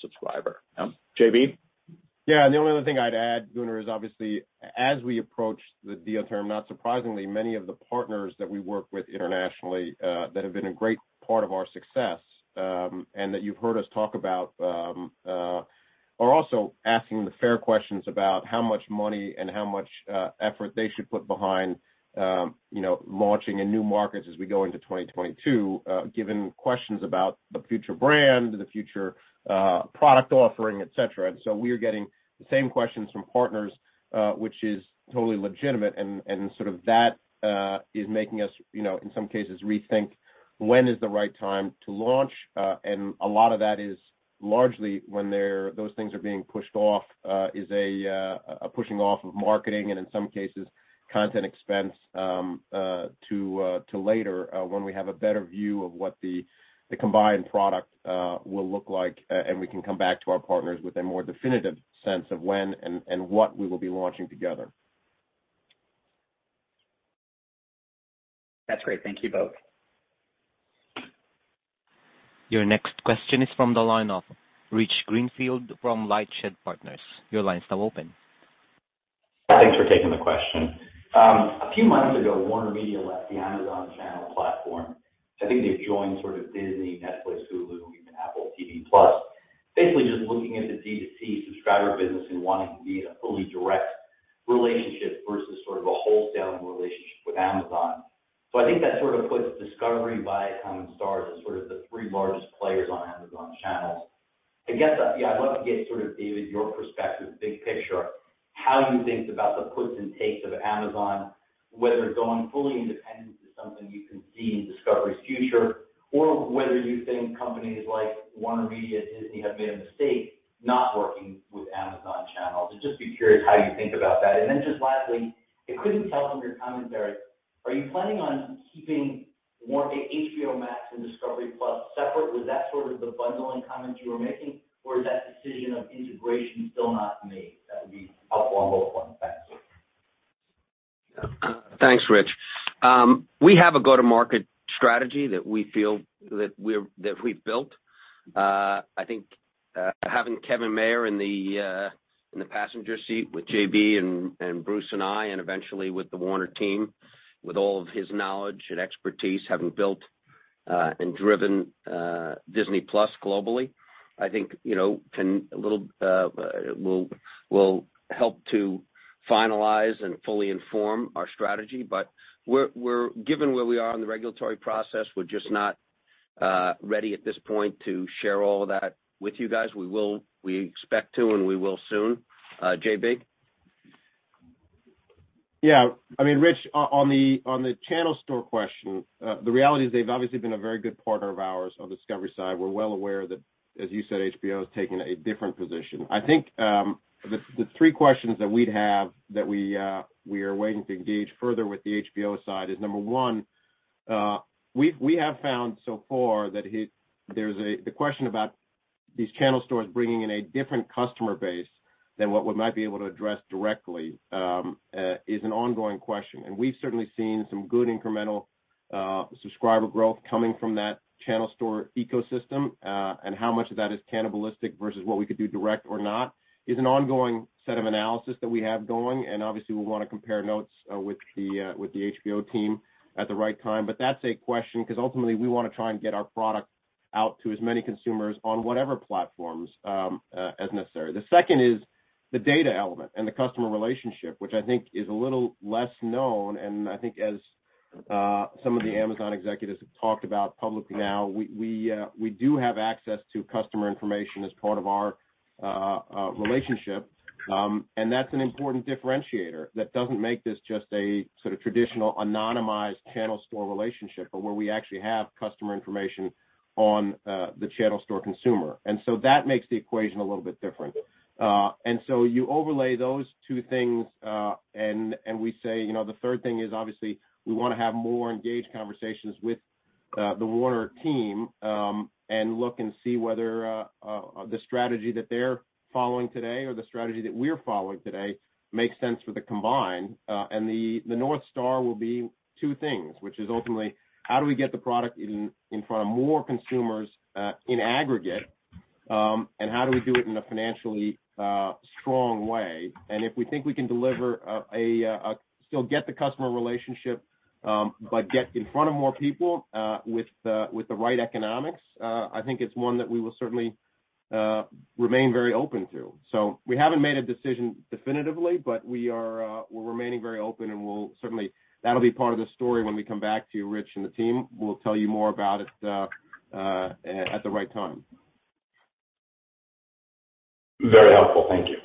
subscriber. JB? Yeah. The only other thing I'd add, Gunnar, is obviously as we approach the deal term, not surprisingly, many of the partners that we work with internationally, that have been a great part of our success, and that you've heard us talk about, are also asking the fair questions about how much money and how much effort they should put behind, you know, launching in new markets as we go into 2022, given questions about the future brand, the future product offering, et cetera. We are getting the same questions from partners, which is totally legitimate and sort of that is making us, you know, in some cases rethink when is the right time to launch. A lot of that is largely a pushing off of marketing and in some cases content expense to later when we have a better view of what the combined product will look like. We can come back to our partners with a more definitive sense of when and what we will be launching together. That's great. Thank you both. Your next question is from the line of Rich Greenfield from LightShed Partners. Your line's now open. Thanks for taking the question. A few months ago, WarnerMedia left the Amazon Channels platform. I think they've joined sort of Disney, Netflix, Hulu, even Apple TV+. Basically, just looking at the D2C subscriber business and wanting to be in a fully direct relationship versus sort of a wholesale relationship with Amazon. I think that sort of puts Discovery, Viacom, and Starz as sort of the three largest players on Amazon Channels. I guess, yeah, I'd love to get sort of, David, your perspective, big picture, how you think about the puts and takes of Amazon, whether going fully independent is something you can see in Discovery's future, or whether you think companies like WarnerMedia, Disney have made a mistake not working with Amazon Channels. I'd just be curious how you think about that. Just lastly, I couldn't tell from your commentary, are you planning on keeping Warner HBO Max and Discovery+ separate? Was that sort of the bundling comment you were making, or is that decision of integration still not made? That would be helpful on both fronts. Thanks, Rich. We have a go-to-market strategy that we feel we've built. I think having Kevin Mayer in the passenger seat with JB and Bruce and I, and eventually with the Warner team, with all of his knowledge and expertise, having built and driven Disney+ globally, I think, you know, will help to finalize and fully inform our strategy. Given where we are in the regulatory process, we're just not ready at this point to share all that with you guys. We expect to, and we will soon. JB? Yeah. I mean, Rich, on the channel store question, the reality is they've obviously been a very good partner of ours on the Discovery side. We're well aware that, as you said, HBO is taking a different position. I think the three questions that we'd have that we are waiting to engage further with the HBO side is, number one, we have found so far that there's the question about these channel stores bringing in a different customer base than what we might be able to address directly is an ongoing question. We've certainly seen some good incremental subscriber growth coming from that channel store ecosystem, and how much of that is cannibalistic versus what we could do direct or not is an ongoing set of analysis that we have going. Obviously, we wanna compare notes with the HBO team at the right time. That's a question because ultimately we wanna try and get our product out to as many consumers on whatever platforms as necessary. The second is the data element and the customer relationship, which I think is a little less known. I think as some of the Amazon executives have talked about publicly now, we do have access to customer information as part of our relationship. That's an important differentiator that doesn't make this just a sort of traditional anonymized channel store relationship, but where we actually have customer information on the channel store consumer. That makes the equation a little bit different. You overlay those two things and we say, you know, the third thing is, obviously, we wanna have more engaged conversations with the Warner team and look and see whether the strategy that they're following today or the strategy that we're following today makes sense for the combined. The North Stars will be two things, which is ultimately how do we get the product in front of more consumers in aggregate and how do we do it in a financially strong way? If we think we can deliver and still get the customer relationship but get in front of more people with the right economics, I think it's one that we will certainly remain very open to. We haven't made a decision definitively, but we are, we're remaining very open, and we'll certainly, that'll be part of the story when we come back to you, Rich and the team. We'll tell you more about it at the right time. Very helpful. Thank you.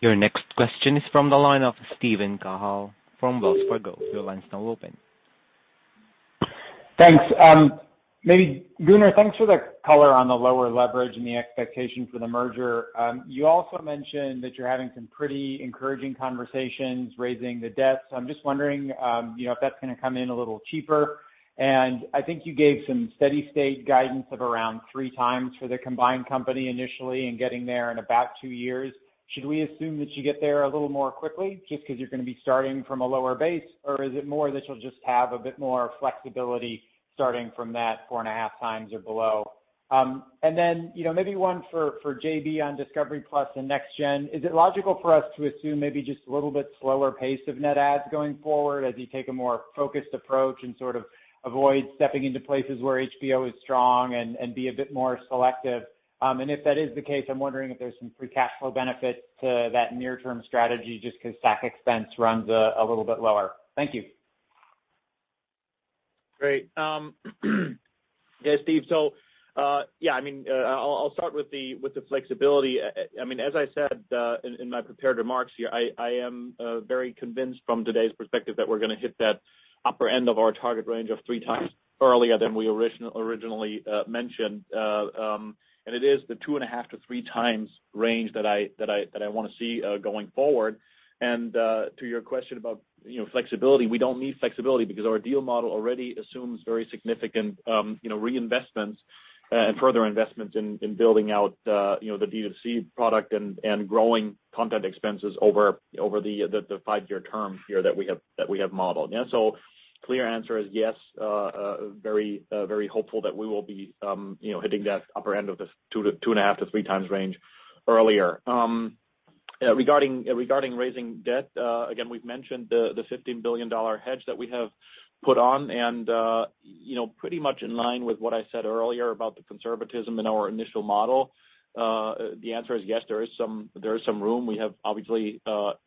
Your next question is from the line of Steven Cahall from Wells Fargo. Your line's now open. Thanks. Maybe Gunnar, thanks for the color on the lower leverage and the expectation for the merger. You also mentioned that you're having some pretty encouraging conversations raising the debt. I'm just wondering, you know, if that's gonna come in a little cheaper. I think you gave some steady state guidance of around 3x for the combined company initially and getting there in about two years. Should we assume that you get there a little more quickly just 'cause you're gonna be starting from a lower base, or is it more that you'll just have a bit more flexibility starting from that 4.5x or below? And then, you know, maybe one for JB on Discovery+ and next-gen. Is it logical for us to assume maybe just a little bit slower pace of net adds going forward as you take a more focused approach and sort of avoid stepping into places where HBO is strong and be a bit more selective? If that is the case, I'm wondering if there's some free cash flow benefit to that near-term strategy just 'cause stack expense runs a little bit lower. Thank you. Great. Yeah, Steve. Yeah, I mean, I'll start with the flexibility. I mean, as I said in my prepared remarks here, I am very convinced from today's perspective that we're gonna hit that upper end of our target range of 3x earlier than we originally mentioned. It is the 2.5x-3x range that I wanna see going forward. To your question about, you know, flexibility, we don't need flexibility because our deal model already assumes very significant, you know, reinvestments and further investments in building out, you know, the D2C product and growing content expenses over the five-year term here that we have modeled. And so Clear answer is yes. Very hopeful that we will be, you know, hitting that upper end of the 2.5-3 times range earlier. Yeah, regarding raising debt, again, we've mentioned the $15 billion hedge that we have put on and, you know, pretty much in line with what I said earlier about the conservatism in our initial model. The answer is yes, there is some room. We have obviously,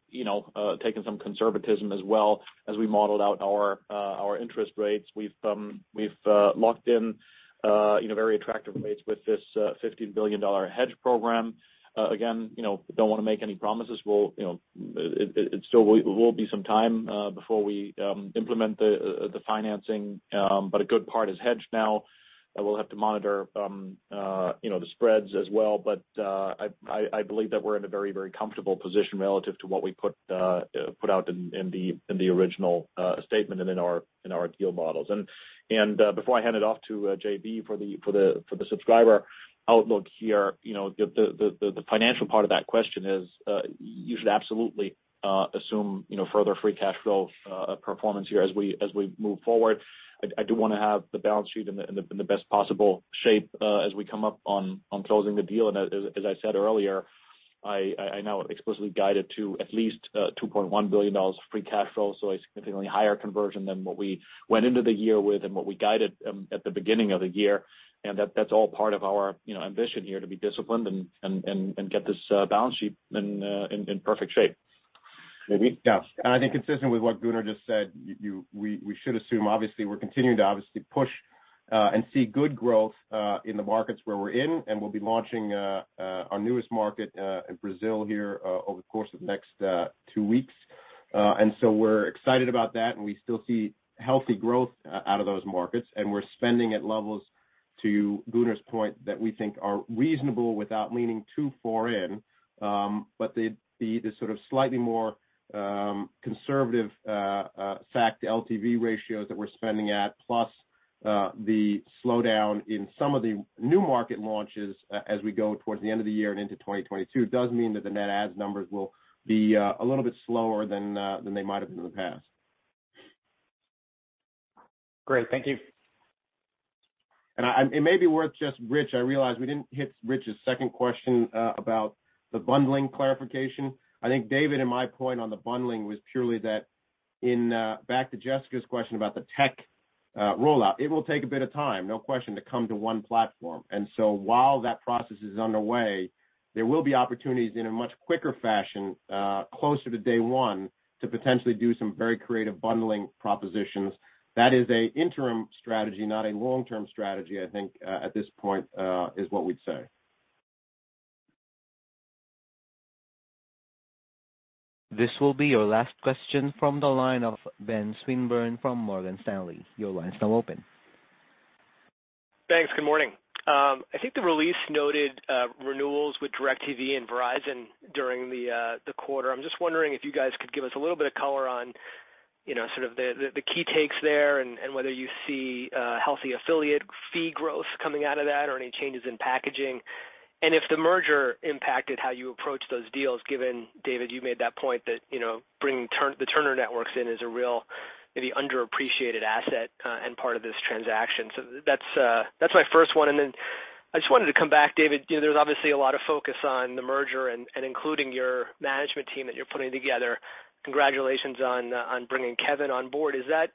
you know, taken some conservatism as well as we modeled out our interest rates. We've locked in, you know, very attractive rates with this $15 billion hedge program. Again, you know, don't wanna make any promises. We'll, you know. It still will be some time before we implement the financing, but a good part is hedged now. We'll have to monitor, you know, the spreads as well. I believe that we're in a very comfortable position relative to what we put out in the original statement and in our deal models. Before I hand it off to JB for the subscriber outlook here, you know, the financial part of that question is, you should absolutely assume, you know, further free cash flow performance here as we move forward. I do wanna have the balance sheet in the best possible shape as we come up on closing the deal. As I said earlier, I now explicitly guided to at least $2.1 billion of free cash flow, so a significantly higher conversion than what we went into the year with and what we guided at the beginning of the year. That's all part of our, you know, ambition here to be disciplined and get this balance sheet in perfect shape. JB? Yeah. I think consistent with what Gunnar just said, we should assume we're continuing to obviously push and see good growth in the markets where we're in, and we'll be launching our newest market in Brazil here over the course of the next two weeks. We're excited about that, and we still see healthy growth out of those markets. We're spending at levels, to Gunnar's point, that we think are reasonable without leaning too far in. The sort of slightly more conservative CAC to LTV ratios that we're spending at, plus the slowdown in some of the new market launches as we go towards the end of the year and into 2022, does mean that the net adds numbers will be a little bit slower than they might have been in the past. Great. Thank you. It may be worth just Rich, I realize we didn't hit Rich's second question, about the bundling clarification. I think David and my point on the bundling was purely that in, back to Jessica's question about the tech, rollout, it will take a bit of time, no question, to come to one platform. While that process is underway, there will be opportunities in a much quicker fashion, closer to day one to potentially do some very creative bundling propositions. That is an interim strategy, not a long-term strategy, I think, at this point, is what we'd say. This will be your last question from the line of Ben Swinburne from Morgan Stanley. Your line's now open. Thanks. Good morning. I think the release noted renewals with DIRECTV and Verizon during the quarter. I'm just wondering if you guys could give us a little bit of color on, you know, sort of the key takes there and whether you see healthy affiliate fee growth coming out of that or any changes in packaging. If the merger impacted how you approach those deals, given David, you made that point that, you know, bringing the Turner networks in is a real, maybe underappreciated asset and part of this transaction. That's my first one. I just wanted to come back, David. You know, there's obviously a lot of focus on the merger and including your management team that you're putting together. Congratulations on bringing Kevin on board. Is that...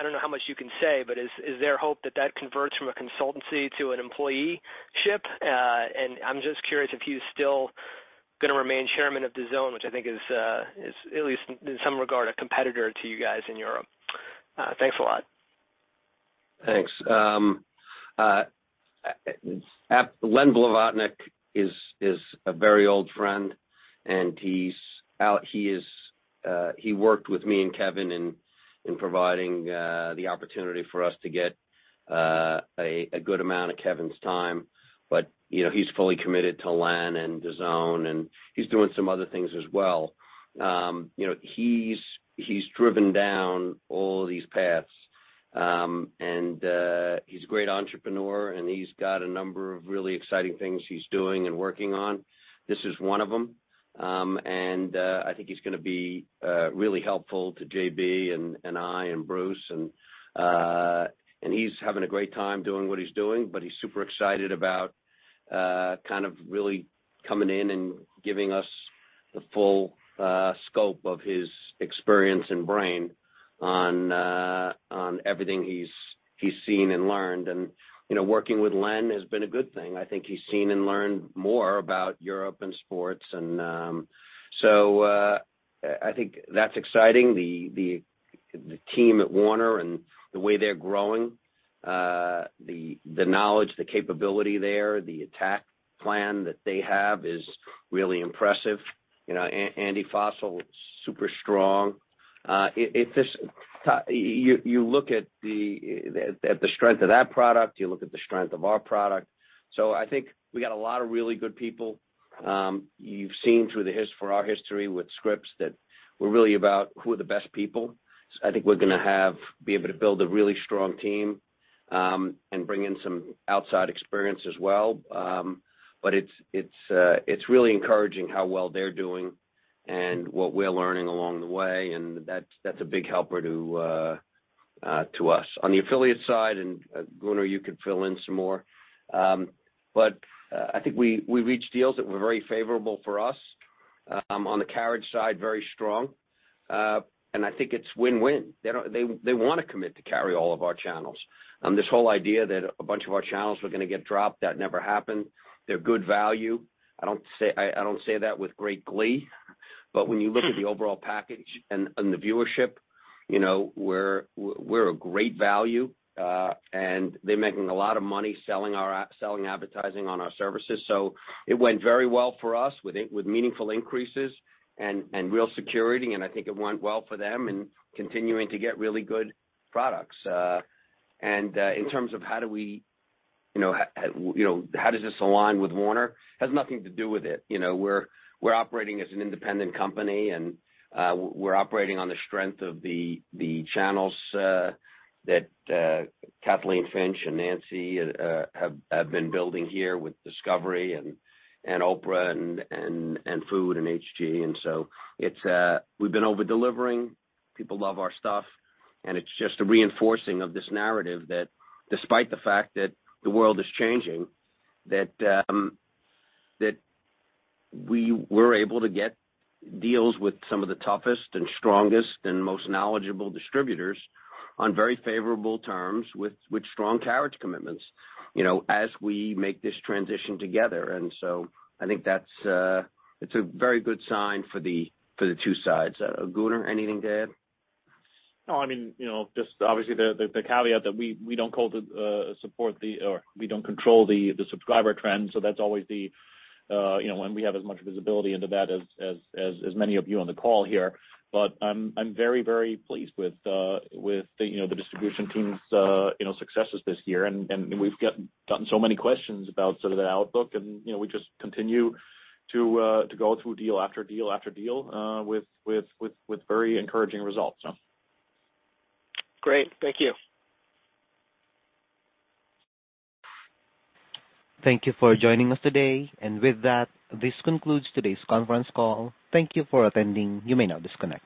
I don't know how much you can say, but is there hope that that converts from a consultancy to an employeeship? I'm just curious if he's still gonna remain chairman of DAZN, which I think is at least in some regard, a competitor to you guys in Europe. Thanks a lot. Thanks. Len Blavatnik is a very old friend, and he worked with me and Kevin in providing the opportunity for us to get a good amount of Kevin's time. You know, he's fully committed to Len and DAZN, and he's doing some other things as well. You know, he's driven down all of these paths, and he's a great entrepreneur, and he's got a number of really exciting things he's doing and working on. This is one of them. I think he's gonna be really helpful to JB and I and Bruce. He's having a great time doing what he's doing, but he's super excited about kind of really coming in and giving us the full scope of his experience and brain on everything he's seen and learned. You know, working with Len has been a good thing. I think he's seen and learned more about Europe and sports. I think that's exciting. The team at Warner and the way they're growing, the knowledge, the capability there, the attack plan that they have is really impressive. You know, Andy Forssell, super strong. It just, you look at the strength of that product, you look at the strength of our product. I think we got a lot of really good people. You've seen through our history with Scripps that we're really about who are the best people. I think we're gonna be able to build a really strong team. Bring in some outside experience as well. It's really encouraging how well they're doing and what we're learning along the way, and that's a big help to us. On the affiliate side, Gunnar, you could fill in some more. I think we reached deals that were very favorable for us. On the carriage side, very strong. I think it's win-win. They wanna commit to carry all of our channels. This whole idea that a bunch of our channels were gonna get dropped, that never happened. They're good value. I don't say that with great glee, but when you look at the overall package and the viewership, you know, we're a great value, and they're making a lot of money selling advertising on our services. It went very well for us with meaningful increases and real security, and I think it went well for them in continuing to get really good products. In terms of how do we, you know, how does this align with Warner? It has nothing to do with it. You know, we're operating as an independent company, and we're operating on the strength of the channels that Kathleen Finch and Nancy have been building here with Discovery and Oprah and Food and HG. It's We've been over-delivering. People love our stuff. It's just a reinforcing of this narrative that despite the fact that the world is changing, that we were able to get deals with some of the toughest and strongest and most knowledgeable distributors on very favorable terms with strong carriage commitments, you know, as we make this transition together. I think that's, it's a very good sign for the two sides. Gunnar, anything to add? No, I mean, you know, just obviously the caveat that we don't control the subscriber trends, so that's always the, you know, and we have as much visibility into that as many of you on the call here. I'm very pleased with the, you know, the distribution team's, you know, successes this year. We've gotten so many questions about sort of the outlook and, you know, we just continue to go through deal after deal after deal with very encouraging results, so. Great. Thank you. Thank you for joining us today. With that, this concludes today's conference call. Thank you for attending. You may now disconnect.